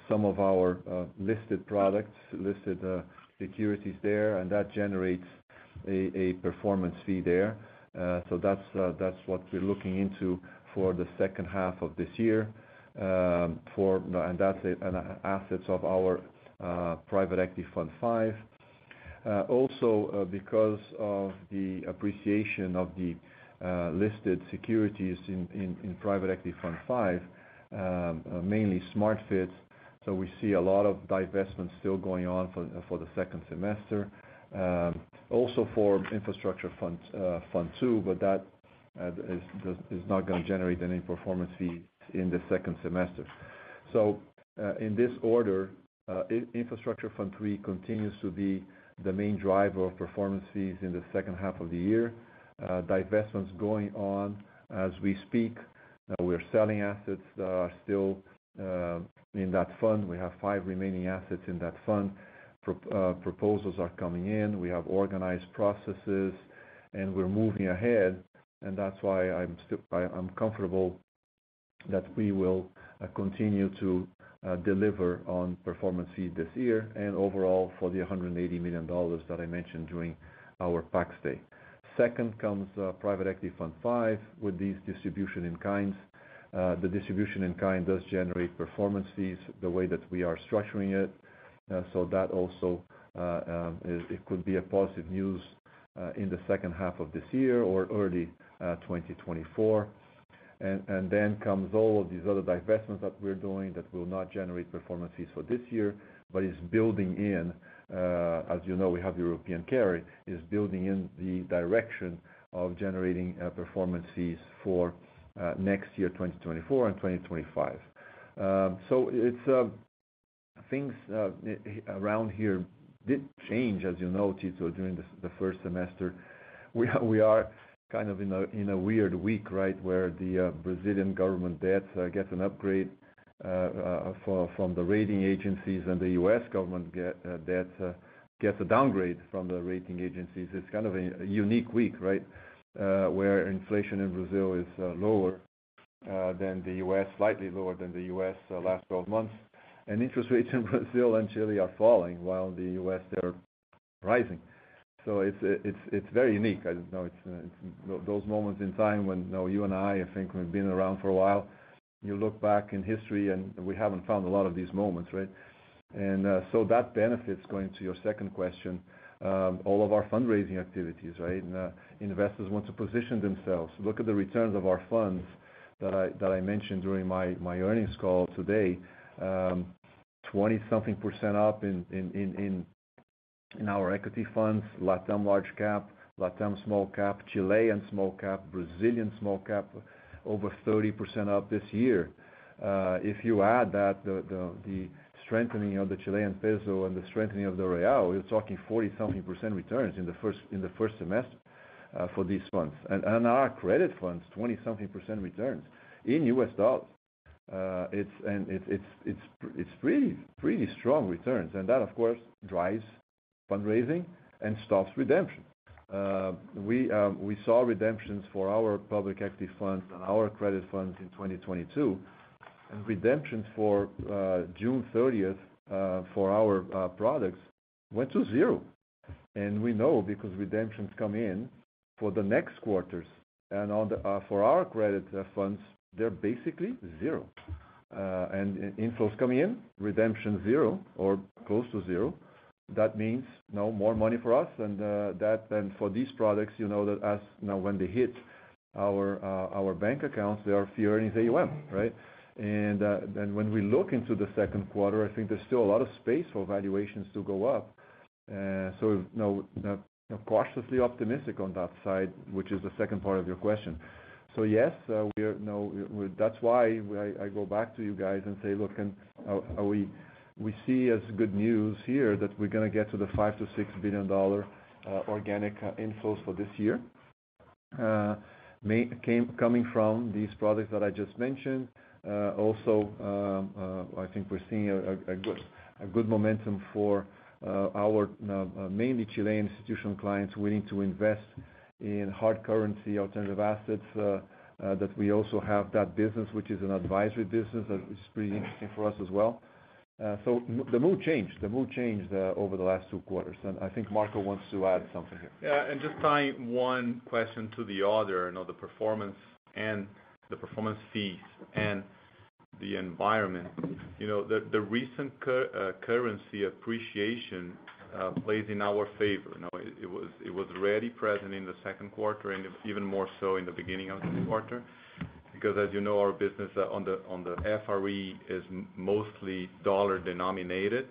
some of our listed products, listed securities there, and that generates a performance fee there. That's what we're looking into for the second half of this year, for, and that's it, and assets of our Private Equity Fund V. Also, because of the appreciation of the listed securities in Private Equity Fund V, mainly SmartFit, so we see a lot of divestments still going on for the second semester. that is not going to generate any performance fees in the second semester. In this order, Infrastructure Fund III continues to be the main driver of performance fees in the second half of the year. Divestments going on as we speak. We're selling assets that are still in that fund. We have five remaining assets in that fund. Proposals are coming in, we have organized processes, and we're moving ahead, and that's why I'm still comfortable that we will continue to deliver on performance fee this year and overall for the $180 million that I mentioned during our PAX Day. Second comes Private Equity Fund V, with these distribution in kinds. The distribution in kind does generate performance fees, the way that we are structuring it, so that also, it, it could be a positive news in the second half of this year or early 2024. Then comes all of these other divestments that we're doing that will not generate performance fees for this year, but is building in, as you know, we have the European carry, is building in the direction of generating performance fees for next year, 2024 and 2025. So it's things around here did change, as you know, Tito, during the first semester. We we are kind of in a, in a weird week, right? Where the Brazilian government debts gets an upgrade from the rating agencies, the U.S. government debt gets a downgrade from the rating agencies. It's kind of a unique week, right? Where inflation in Brazil is lower than the U.S., slightly lower than the U.S. the last 12 months. Interest rates in Brazil and Chile are falling, while the U.S., they're rising. It's, it's, it's very unique. I don't know, it's those moments in time when, you know, you and I, I think we've been around for a while, you look back in history, and we haven't found a lot of these moments, right? That benefits, going to your second question, all of our fundraising activities, right? Investors want to position themselves. Look at the returns of our funds that I, that I mentioned during my earnings call today. 20-something% up in our equity funds, Latam large cap, Latam small cap, Chilean small cap, Brazilian small cap, over 30% up this year. If you add that, the strengthening of the Chilean peso and the strengthening of the real, you're talking 40-something% returns in the first semester for these funds. Our credit funds, 20-something% returns in US dollars. It's pretty, pretty strong returns, and that, of course, drives fundraising and stops redemption. We saw redemptions for our public equity funds and our credit funds in 2022, and redemptions for June 30th for our products went to 0! We know because redemptions come in for the next quarters, and on the for our credit funds, they're basically zero. Inflows coming in, redemption zero or close to zero. That means no more money for us and that, and for these products, you know, that as, you know, when they hit our bank accounts, they are fearing AUM, right? When we look into the Q2, I think there's still a lot of space for valuations to go up. So, you know, cautiously optimistic on that side, which is the second part of your question. Yes, we are, that's why I go back to you guys and say, look, we see as good news here that we're gonna get to the $5 billion-$6 billion organic inflows for this year. Coming from these products that I just mentioned. Also, I think we're seeing good momentum for our mainly Chilean institutional clients willing to invest in hard currency, alternative assets, that we also have that business, which is an advisory business, that is pretty interesting for us as well. The mood changed, the mood changed over the last two quarters, and I think Marco wants to add something here. Just tying one question to the other, you know, the performance and the performance fees and the environment. You know, the recent currency appreciation plays in our favor. You know, it was already present in the Q2 and even more so in the beginning of the quarter. As you know, our business on the FRE is mostly dollar denominated,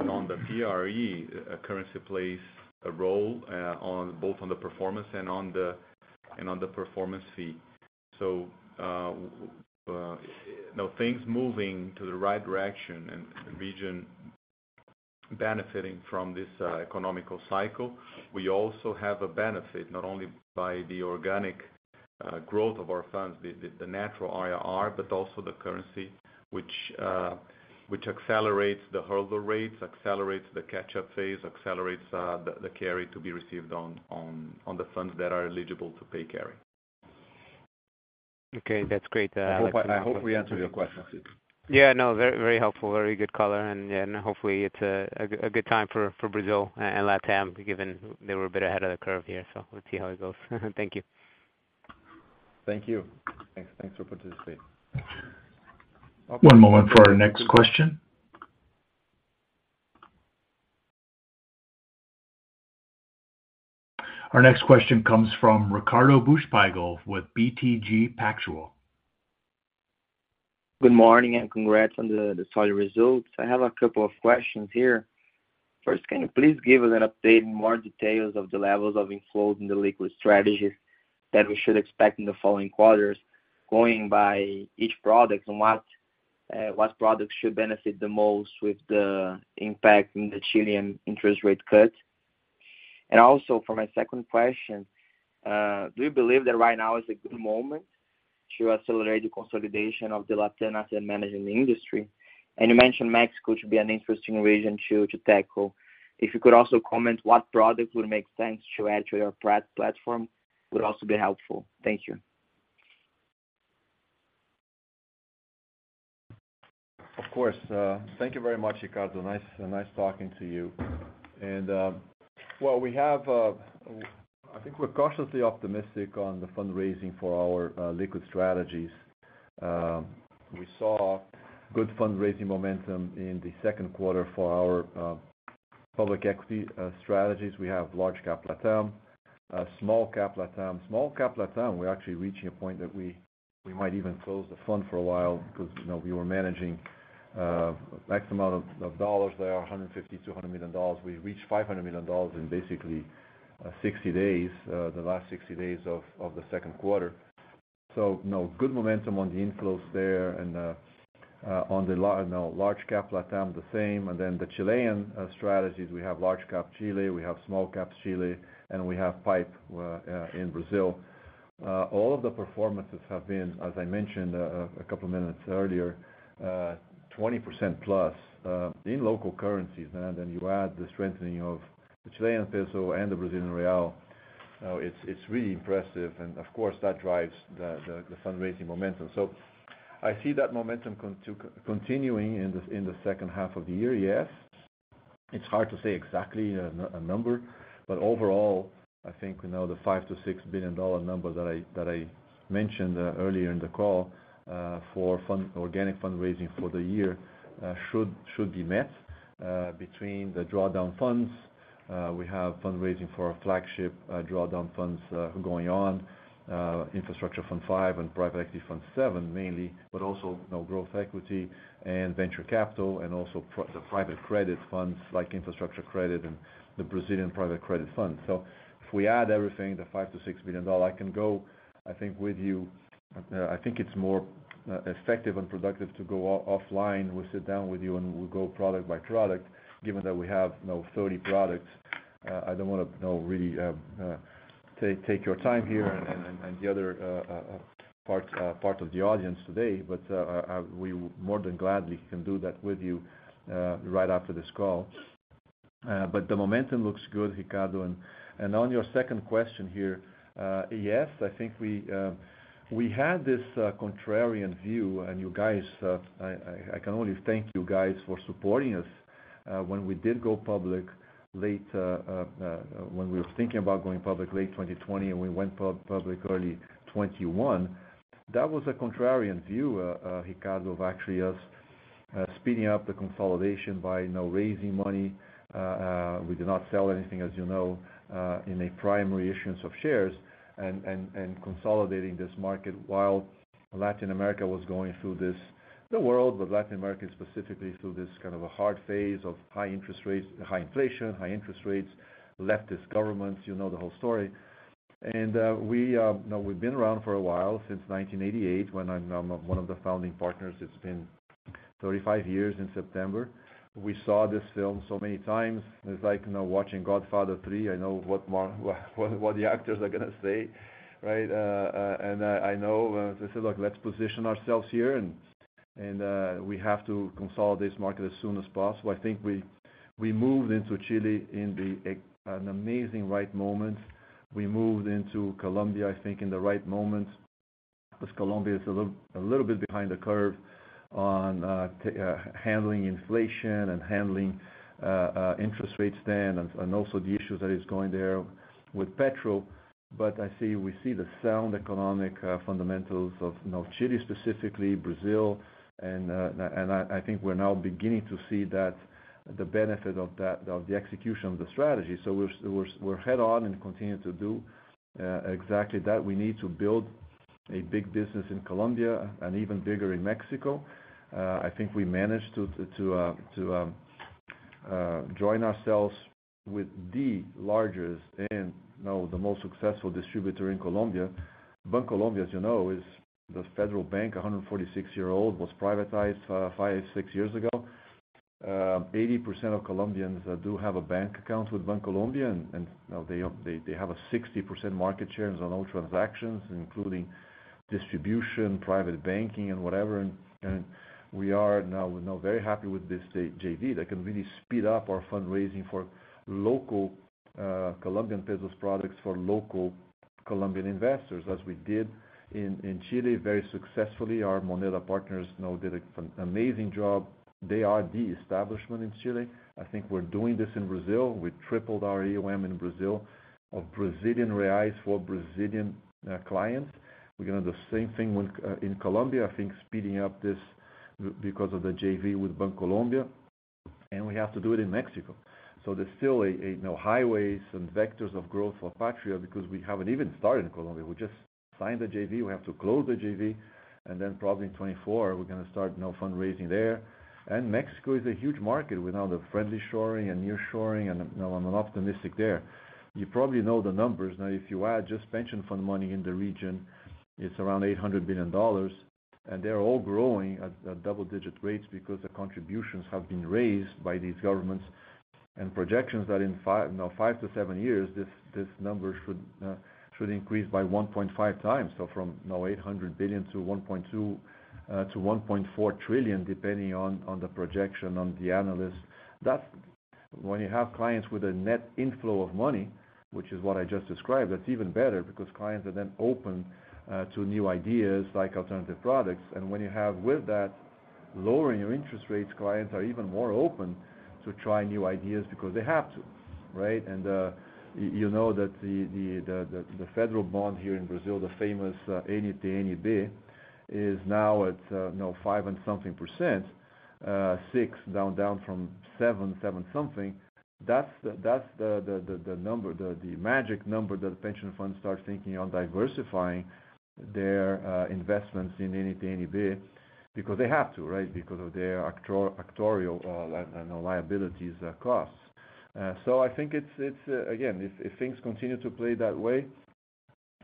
and on the PRE, currency plays a role on both on the performance and on the performance fee. Now things moving to the right direction and region benefiting from this economical cycle. We also have a benefit, not only by the organic growth of our funds, the natural IRR, but also the currency, which accelerates the hurdle rates, accelerates the catch-up phase, accelerates the carry to be received on the funds that are eligible to pay carry. Okay, that's great. I hope, I hope we answered your question, Tito. Yeah, no, very, very helpful. Very good color, and hopefully it's a, a good time for, for Brazil and Latin, given they were a bit ahead of the curve here. Let's see how it goes. Thank you. Thank you. Thanks, thanks for participating. One moment for our next question. Our next question comes from Ricardo Buchpiguel with BTG Pactual. Good morning, congrats on the, the solid results. I have 2 questions here. First, can you please give us an update and more details of the levels of inflows in the liquid strategy that we should expect in the following quarters, going by each product and what products should benefit the most with the impact in the Chilean interest rate cut? Also, for my 2nd question, do you believe that right now is a good moment to accelerate the consolidation of the Latin asset management industry? You mentioned Mexico should be an interesting region to, to tackle. If you could also comment what product would make sense to add to your plat- platform, would also be helpful. Thank you. Of course. thank you very much, Ricardo. Nice, nice talking to you. Well, we have... I think we're cautiously optimistic on the fundraising for our liquid strategies. We saw good fundraising momentum in the Q2 for our public equity strategies. We have large cap Latam, small cap Latam. Small cap Latam, we're actually reaching a point that we, we might even close the fund for a while, because, you know, we were managing X amount of dollars. There are $150 million-$200 million. We reached $500 million in basically 60 days, the last 60 days of the Q2. you know, good momentum on the inflows there and, you know, large cap Latam, the same. The Chilean strategies, we have large cap Chile, we have small cap Chile, and we have PIPE in Brazil. All of the performances have been, as I mentioned a couple of minutes earlier, 20% plus in local currencies. You add the strengthening of the Chilean peso and the Brazilian real, it's really impressive, and of course, that drives the fundraising momentum. I see that momentum continuing in the second half of the year, yes. It's hard to say exactly a number, but overall, I think, you know, the $5 billion-$6 billion number that I mentioned earlier in the call for organic fundraising for the year should be met between the drawdown funds. We have fundraising for our flagship drawdown funds going on, Infrastructure Fund V and Private Equity Fund VII, mainly, but also, you know, growth equity and venture capital, and also the private credit funds like Infrastructure Credit and the Brazilian Private Credit Fund. If we add everything, the $5 billion-$6 billion, I can go, I think, with you. I think it's more effective and productive to go offline. We'll sit down with you, and we'll go product by product, given that we have, you know, 30 products. I don't want to, you know, really take your time here and, and, and the other part, part of the audience today. We more than gladly can do that with you right after this call. The momentum looks good, Ricardo. On your second question here, yes, I think we had this contrarian view, and you guys, I, I, I can only thank you guys for supporting us, when we did go public late, when we were thinking about going public late 2020, and we went public early 2021. That was a contrarian view, Ricardo, of actually us speeding up the consolidation by, you know, raising money. We did not sell anything, as you know, in a primary issuance of shares and consolidating this market while Latin America was going through this, the world, but Latin America specifically, through this kind of a hard phase of high interest rates, high inflation, high interest rates, leftist governments, you know the whole story. We, you know, we've been around for a while, since 1988, when I'm, I'm one of the founding partners. It's been 35 years in September. We saw this film so many times, and it's like, you know, watching Godfather III. I know what, what the actors are gonna say, right? I know they say, "Look, let's position ourselves here, and we have to consolidate this market as soon as possible." I think we, we moved into Chile in an amazing right moment. We moved into Colombia, I think, in the right moment, because Colombia is a little, a little bit behind the curve on handling inflation and handling interest rates there, and also the issues that is going there with petrol. We see the sound economic fundamentals of, you know, Chile specifically, Brazil, and I think we're now beginning to see that, the benefit of that, of the execution of the strategy. We're head on and continue to do exactly that. We need to build a big business in Colombia and even bigger in Mexico. I think we managed to join ourselves with the largest and, you know, the most successful distributor in Colombia. Bancolombia, as you know, is the federal bank, 146 years old, was privatized five, six years ago. 80% of Colombians do have a bank account with Bancolombia, you know, they have a 60% market share on all transactions, including distribution, private banking, and whatever. We are now very happy with this JV that can really speed up our fundraising for local Colombian pesos products, for local Colombian investors, as we did in Chile very successfully. Our Moneda partners, you know, did an amazing job. They are the establishment in Chile. I think we're doing this in Brazil. We tripled our AUM in Brazil of Brazilian reais for Brazilian clients. We're doing the same thing when in Colombia, I think speeding up this because of the JV with Bancolombia, we have to do it in Mexico. There's still, you know, highways and vectors of growth for Patria, because we haven't even started in Colombia. We just signed the JV. We have to close the JV, then probably in 2024, we're gonna start, you know, fundraising there. Mexico is a huge market with now the friend-shoring and nearshoring, and, you know, I'm optimistic there. You probably know the numbers. Now, if you add just pension fund money in the region, it's around $800 billion, and they're all growing at double-digit rates because the contributions have been raised by these governments. Projections that in five, you know, five to seven years, this number should increase by 1.5x, so from now $800 billion to $1.2 trillion-$1.4 trillion, depending on the projection, on the analyst. That's when you have clients with a net inflow of money, which is what I just described, that's even better because clients are then open to new ideas like alternative products. When you have with that, lowering your interest rates, clients are even more open to try new ideas because they have to, right? You know that the federal bond here in Brazil, the famous NTN-B, is now at, you know, five and something %, six, down, down from seven, seven something. That's the, that's the number, the magic number that the pension funds start thinking on diversifying their investments in NTN-B because they have to, right? Because of their actuarial, you know, liabilities costs. I think it's, it's, again, if, if things continue to play that way,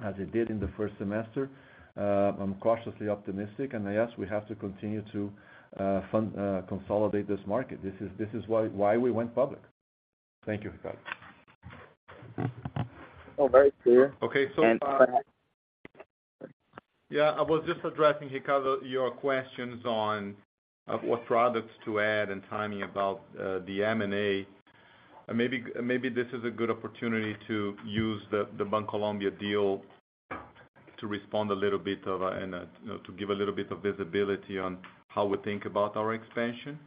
as it did in the first semester, I'm cautiously optimistic, and, yes, we have to continue to consolidate this market. This is why we went public. Thank you, Ricardo. Oh, very clear. Okay. Go ahead. Yeah, I was just addressing, Ricardo, your questions on what products to add and timing about the M&A. Maybe, maybe this is a good opportunity to use the Bancolombia deal to respond a little bit and, you know, to give a little bit of visibility on how we think about our expansion.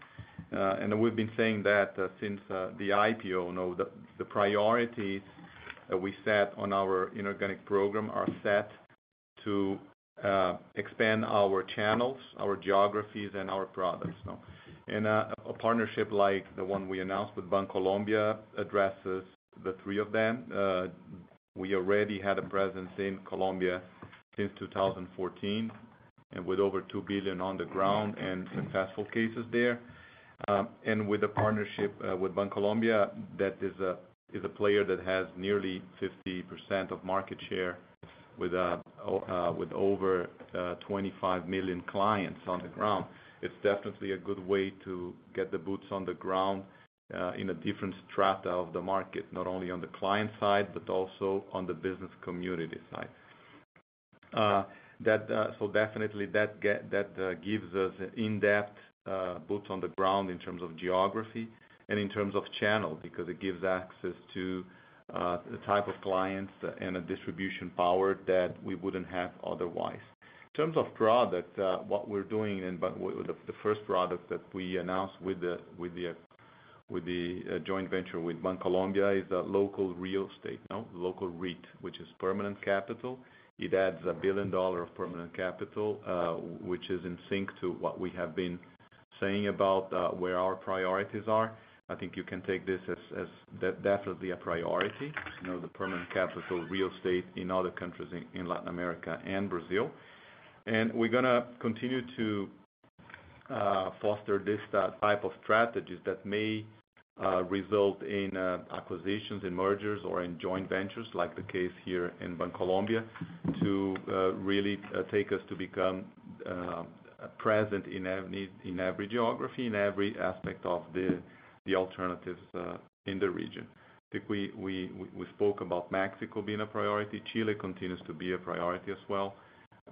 We've been saying that since the IPO, you know, the priorities that we set on our inorganic program are set to expand our channels, our geographies, and our products, you know. A partnership like the one we announced with Bancolombia addresses the three of them. We already had a presence in Colombia since 2014, and with over $2 billion on the ground and successful cases there. With the partnership, with Bancolombia, that is a, is a player that has nearly 50% of market share. ... with over 25 million clients on the ground, it's definitely a good way to get the boots on the ground in a different strata of the market, not only on the client side, but also on the business community side. That definitely gives us in-depth boots on the ground in terms of geography and in terms of channel, because it gives access to the type of clients and the distribution power that we wouldn't have otherwise. In terms of product, what we're doing, the first product that we announced with the joint venture with Bancolombia, is a local real estate, no, local REIT, which is permanent capital. It adds $1 billion of permanent capital, which is in sync to what we have been saying about where our priorities are. I think you can take this as, as definitely a priority, you know, the permanent capital, real estate in other countries in Latin America and Brazil. We're gonna continue to foster this type of strategies that may result in acquisitions and mergers or in joint ventures, like the case here in Bancolombia, to really take us to become present in every, in every geography, in every aspect of the alternatives in the region. I think we, we, we spoke about Mexico being a priority. Chile continues to be a priority as well.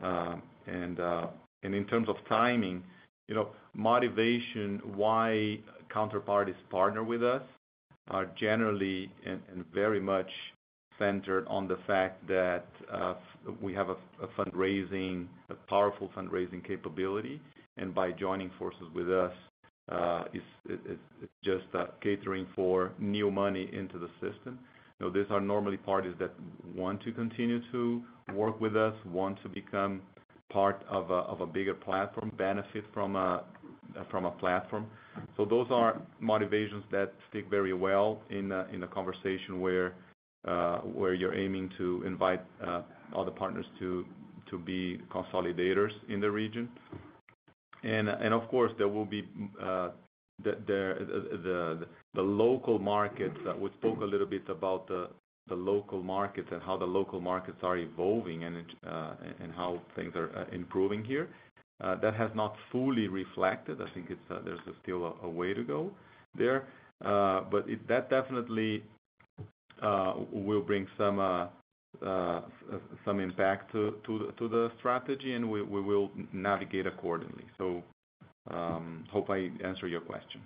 In terms of timing, you know, motivation, why counterparties partner with us are generally and, and very much centered on the fact that we have a, a fundraising, a powerful fundraising capability, and by joining forces with us, it's, it, it's just catering for new money into the system. These are normally parties that want to continue to work with us, want to become part of a, of a bigger platform, benefit from a, from a platform. Those are motivations that fit very well in a, in a conversation where you're aiming to invite other partners to, to be consolidators in the region. Of course, there will be the, the, the, the local markets. We spoke a little bit about the, the local markets and how the local markets are evolving and how things are improving here. That has not fully reflected. I think it's there's still a way to go there. That definitely will bring some impact to, to the, to the strategy, and we, we will navigate accordingly. Hope I answered your question.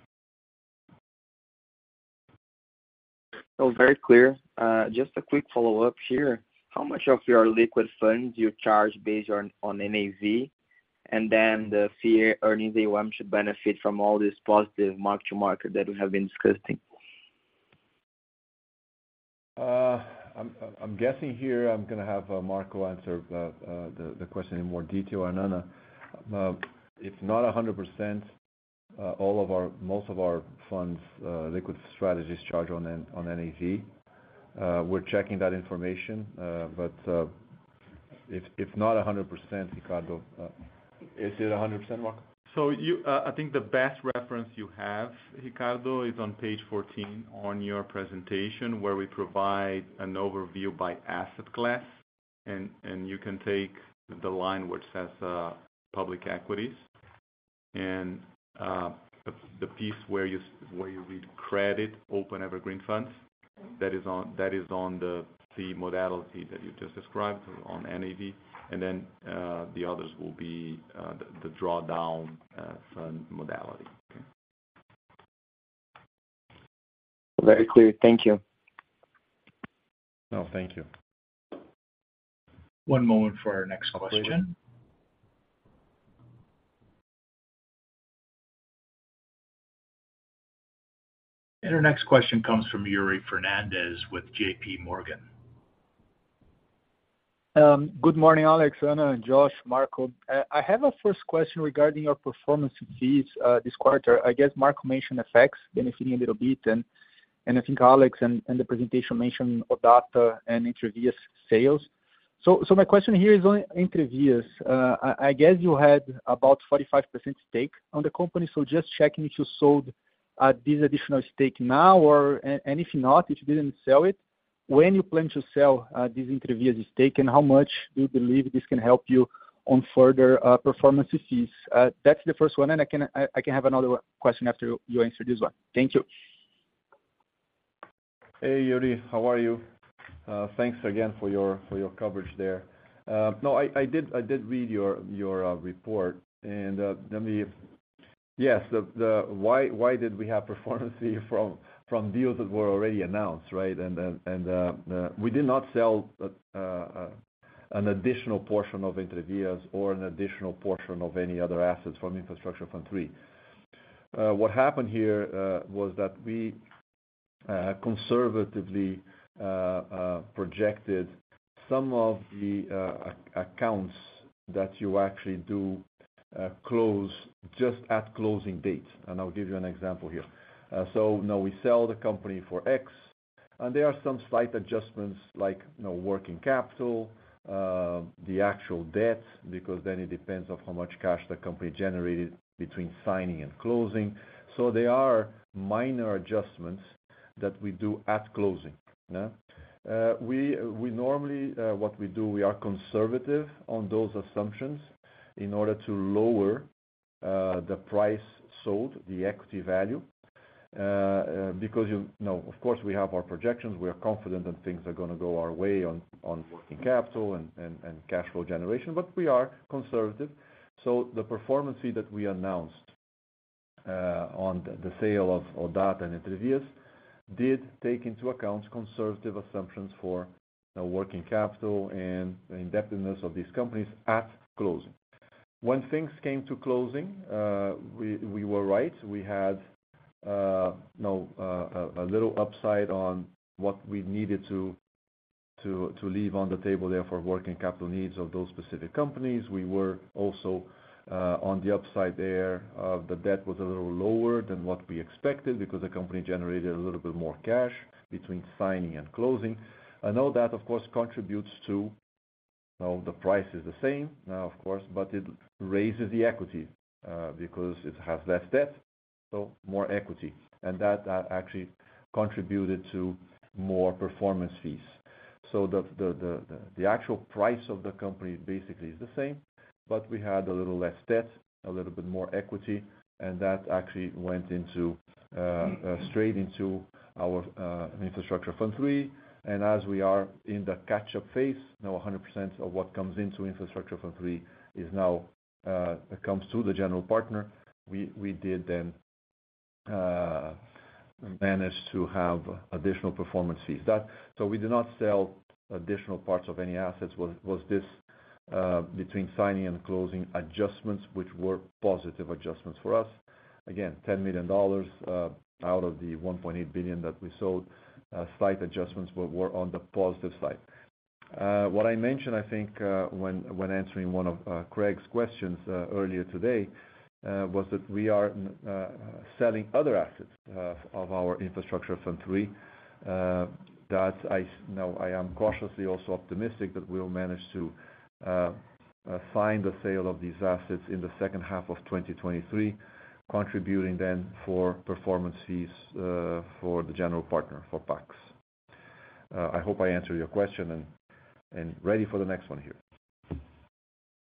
No, very clear. Just a quick follow-up here. How much of your liquid funds you charge based on, on NAV? Then, the fee earnings, AUM, should benefit from all this positive mark to market that we have been discussing. I'm, I'm guessing here, I'm gonna have Marco answer the question in more detail, or Ana. It's not 100%, most of our funds, liquid strategies charge on NAV. We're checking that information, but if not 100%, Ricardo, is it 100%, Marco? You, I think the best reference you have, Ricardo, is on page 14 on your presentation, where we provide an overview by asset class, and you can take the line which says, public equities. The piece where you read credit, open evergreen funds, that is on, that is on the modality that you just described, on NAV, and then the others will be the drawdown fund modality. Okay? Very clear. Thank you. No, thank you. One moment for our next question. Our next question comes from Yuri Fernandez with JPMorgan. Good morning, Alex Saigh, Ana Russo, and Josh Wood, Marco D'Ippolito. I have a first question regarding your performance fees this quarter. I guess Marco D'Ippolito mentioned effects benefiting a little bit, and I think Alex Saigh and the presentation mentioned ODATA and Entrevias sales. My question here is on Entrevias. I guess you had about 45% stake on the company, so just checking if you sold this additional stake now, or if not, if you didn't sell it, when you plan to sell this Entrevias stake, and how much do you believe this can help you on further performance fees? That's the first one, and I can have another one question after you answer this one. Thank you. Hey, Yuri, how are you? Thanks again for your, for your coverage there. No, I, I did, I did read your, your report, let me... Yes, why, why did we have performance fee from, from deals that were already announced, right? We did not sell an additional portion of Entrevias or an additional portion of any other assets from Infrastructure Fund III. What happened here was that we conservatively projected some of the accounts that you actually do close just at closing date. I'll give you an example here. Now we sell the company for X, and there are some slight adjustments like, you know, working capital.... the actual debt, because then it depends on how much cash the company generated between signing and closing. There are minor adjustments that we do at closing, yeah? We normally, what we do, we are conservative on those assumptions in order to lower the price sold, the equity value. Because, you know, of course, we have our projections. We are confident that things are going to go our way on working capital and cash flow generation, but we are conservative. The performance fee that we announced on the sale of ODATA and Entrevias did take into account conservative assumptions for working capital and the indebtedness of these companies at closing. When things came to closing, we were right. We had, you know, a little upside on what we needed to leave on the table there for working capital needs of those specific companies. We were also on the upside there, the debt was a little lower than what we expected because the company generated a little bit more cash between signing and closing. And all that, of course, contributes to, you know, the price is the same now, of course, but it raises the equity because it has less debt, so more equity. And that actually contributed to more performance fees. So the actual price of the company basically is the same, but we had a little less debt, a little bit more equity, and that actually went into straight into our Infrastructure Fund III. As we are in the catch-up phase, now 100% of what comes into Infrastructure Fund III is now, it comes to the general partner. We did manage to have additional performance fees. We did not sell additional parts of any assets, was this between signing and closing adjustments, which were positive adjustments for us. Again, $10 million out of the $1.8 billion that we sold. Slight adjustments were on the positive side. What I mentioned, I think, when answering one of Craig's questions, earlier today, was that we are selling other assets of our Infrastructure Fund III. That now, I am cautiously also optimistic that we'll manage to find the sale of these assets in the second half of 2023, contributing then for performance fees, for the general partner, for PAX. I hope I answered your question, and, and ready for the next one here.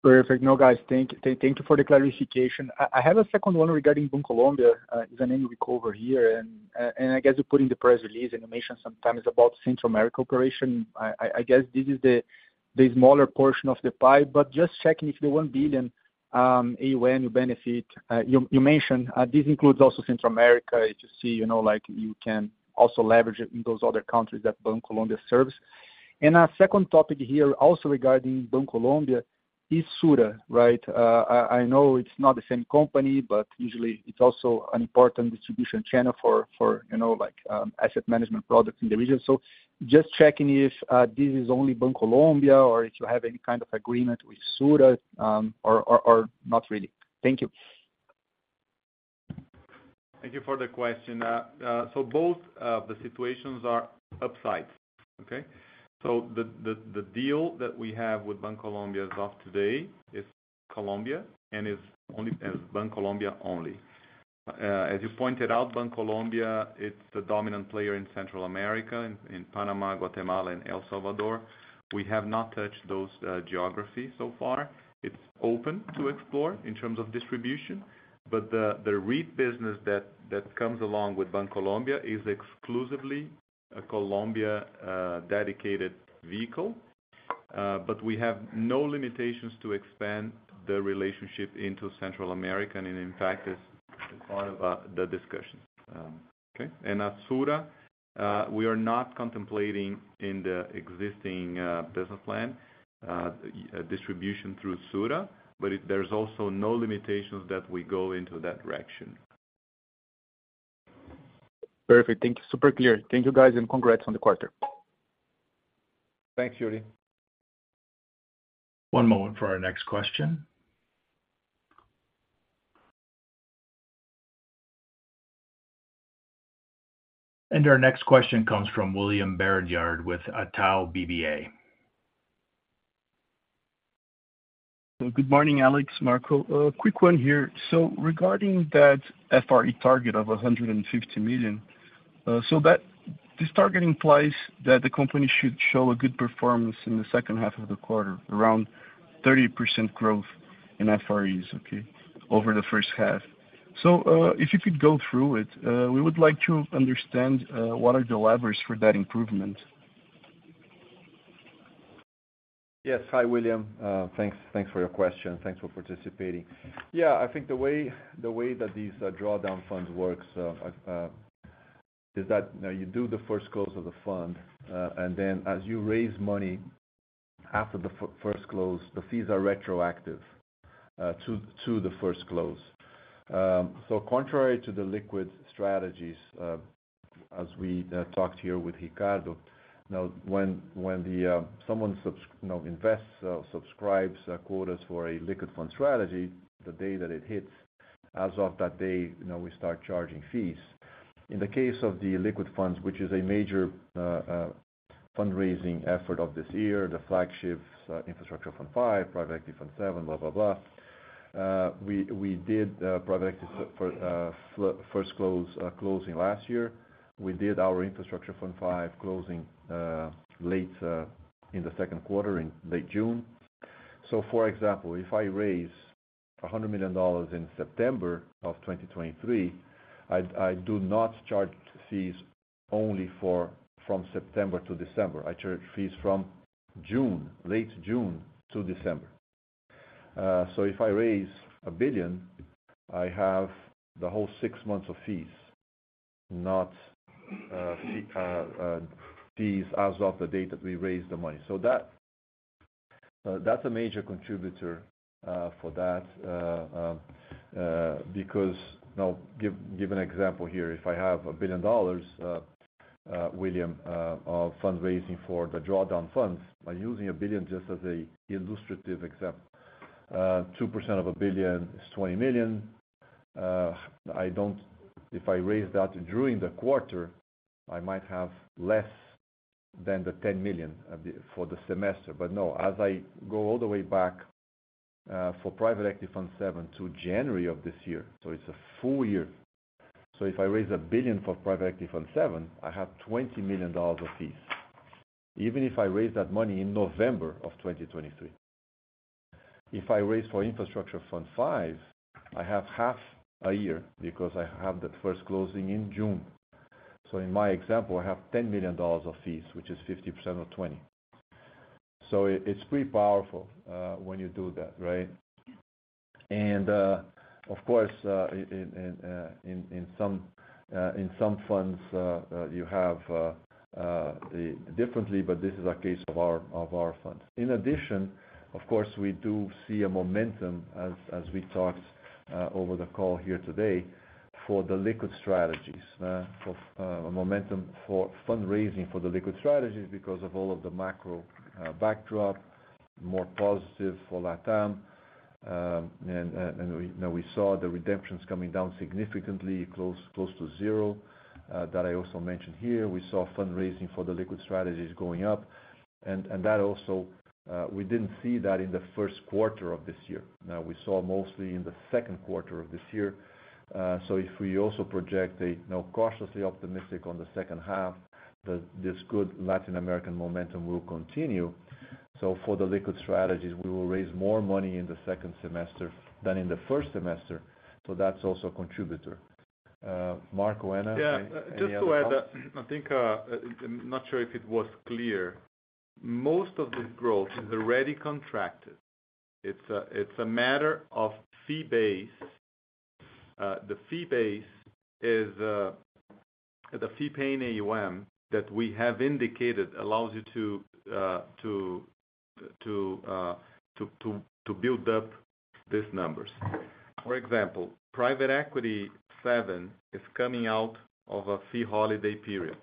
Perfect. No, guys, thank, thank you for the clarification. I have a second one regarding Bancolombia, it's an inquiry over here, I guess you put in the press release, and you mentioned sometimes about Central America operation. I guess this is the smaller portion of the pie, but just checking if the $1 billion AUM you benefit mentioned, this includes also Central America, to see, you know, like you can also leverage it in those other countries that Bancolombia serves. Our second topic here, also regarding Bancolombia, is SURA, right? I know it's not the same company, but usually it's also an important distribution channel for, you know, like asset management products in the region. just checking if this is only Bancolombia, or if you have any kind of agreement with SURA, or not really? Thank you. Thank you for the question. Both the situations are upside, okay? The deal that we have with Bancolombia as of today is Colombia, and it's only Bancolombia only. As you pointed out, Bancolombia, it's the dominant player in Central America, in Panama, Guatemala, and El Salvador. We have not touched those geographies so far. It's open to explore in terms of distribution, but the REIT business that comes along with Bancolombia is exclusively a Colombia dedicated vehicle. We have no limitations to expand the relationship into Central America, and in fact, it's part of the discussions. Okay? At SURA, we are not contemplating in the existing business plan distribution through SURA, but there's also no limitations that we go into that direction. Perfect. Thank you. Super clear. Thank you, guys. Congrats on the quarter. Thanks, Yuri. One moment for our next question. Our next question comes from William Barranjard with Itaú BBA. Good morning, Alex, Marco. Quick one here. Regarding that FRE target of $150 million, this target implies that the company should show a good performance in the second half of the quarter, around 30% growth in FREs, okay, over the first half. If you could go through it, we would like to understand what are the levers for that improvement? Yes. Hi, William. thanks, thanks for your question, and thanks for participating. Yeah, I think the way, the way that these drawdown funds work, so, is that, you know, you do the first close of the fund, and then as you raise money after the first close, the fees are retroactive, to, to the first close. Contrary to the liquid strategies, as we talked here with Ricardo, now, when, when the... someone sub- you know, invests, subscribes, quotas for a liquid fund strategy, the day that it hits, as of that day, you know, we start charging fees. In the case of the liquid funds, which is a major, fundraising effort of this year, the flagship, Infrastructure Fund V, Private Equity Fund VII, blah, blah, blah. Uh, we, we did, uh, private equity for, uh, fl- first close, uh, closing last year. We did our Infrastructure Fund five closing, uh, late, uh, in the Q2, in late June. So for example, if I raise a hundred million dollars in September of twenty twenty-three, I, I do not charge fees only for, from September to December. I charge fees from June, late June to December. Uh, so if I raise a billion, I have the whole six months of fees, not, uh, fee, uh, uh, fees as of the date that we raised the money. So that, uh, that's a major contributor, uh, for that. Now, give an example here: if I have $1 billion, William, of fundraising for the drawdown funds, by using $1 billion just as an illustrative example, 2% of $1 billion is $20 million. If I raise that during the quarter, I might have less than $10 million of the, for the semester. No, as I go all the way back for Private Equity Fund VII to January of this year, so it's a full year. If I raise $1 billion for Private Equity Fund VII, I have $20 million of fees, even if I raise that money in November of 2023. If I raise for Infrastructure Fund V, I have half a year because I have the first closing in June. In my example, I have $10 million of fees, which is 50% of 20. It, it's pretty powerful when you do that, right? Of course, in, in, in some, in some funds, you have differently, but this is a case of our, of our funds. In addition, of course, we do see a momentum as, as we talked over the call here today, for the liquid strategies, for a momentum for fundraising for the liquid strategies because of all of the macro backdrop, more positive for Latam. And we now we saw the redemptions coming down significantly, close, close to 0, that I also mentioned here. We saw fundraising for the liquid strategies going up, and that also, we didn't see that in the Q1 of this year. We saw mostly in the Q2 of this year. If we also project a now cautiously optimistic on the second half, that this good Latin American momentum will continue. For the liquid strategies, we will raise more money in the second semester than in the first semester. That's also a contributor. Marco, wanna- Yeah, just to add that, I think, I'm not sure if it was clear, most of this growth is already contracted. It's a matter of fee base. The fee base is the fee-paying AUM that we have indicated allows you to build up these numbers. For example, Private Equity Fund VII is coming out of a fee holiday period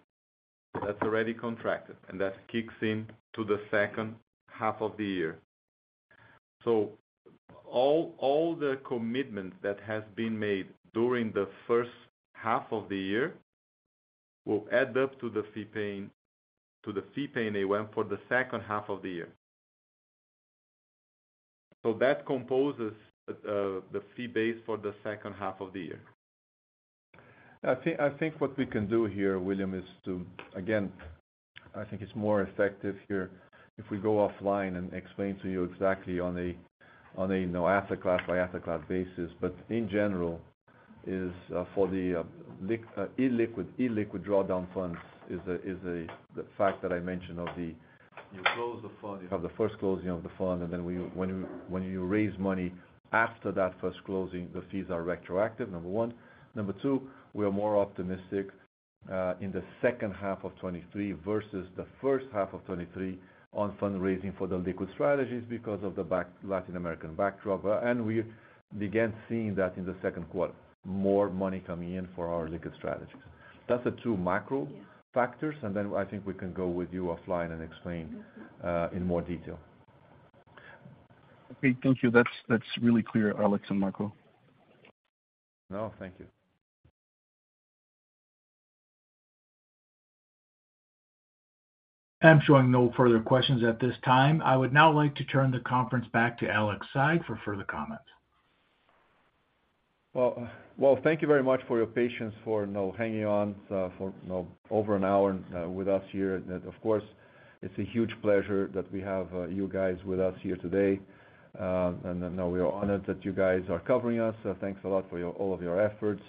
that's already contracted, and that kicks in to the second half of the year. All the commitments that has been made during the first half of the year will add up to the fee-paying AUM for the second half of the year. That composes the fee base for the second half of the year. I think, I think what we can do here, William, is to... Again, I think it's more effective here if we go offline and explain to you exactly on a, on a, you know, asset class by asset class basis. In general, is for the illiquid, illiquid drawdown funds is a, is a, the fact that I mentioned of the, you close the fund, you have the first closing of the fund, and then we, when you, when you raise money after that first closing, the fees are retroactive, number one. Number two, we are more optimistic in the second half of 2023 versus the first half of 2023 on fundraising for the liquid strategies because of the Latin American backdrop. We began seeing that in the 2Q, more money coming in for our liquid strategies. That's the two macro factors, and then I think we can go with you offline and explain-. Mm-hmm. in more detail. Okay, thank you. That's, that's really clear, Alex and Marco. No, thank you. I'm showing no further questions at this time. I would now like to turn the conference back to Alex Saigh for further comments. Well, well, thank you very much for your patience, for now hanging on, for, you know, over an hour, with us here. Of course, it's a huge pleasure that we have, you guys with us here today. We are honored that you guys are covering us. Thanks a lot for your, all of your efforts.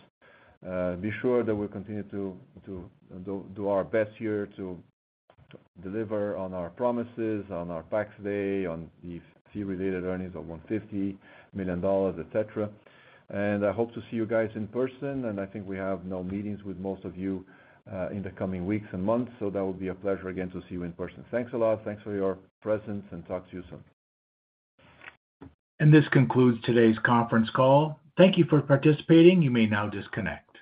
Be sure that we'll continue to do our best here to deliver on our promises, on our tax day, on the fee-related earnings of $150 million, et cetera. I hope to see you guys in person, and I think we have no meetings with most of you, in the coming weeks and months, so that would be a pleasure again to see you in person. Thanks a lot. Thanks for your presence and talk to you soon. This concludes today's conference call. Thank you for participating. You may now disconnect.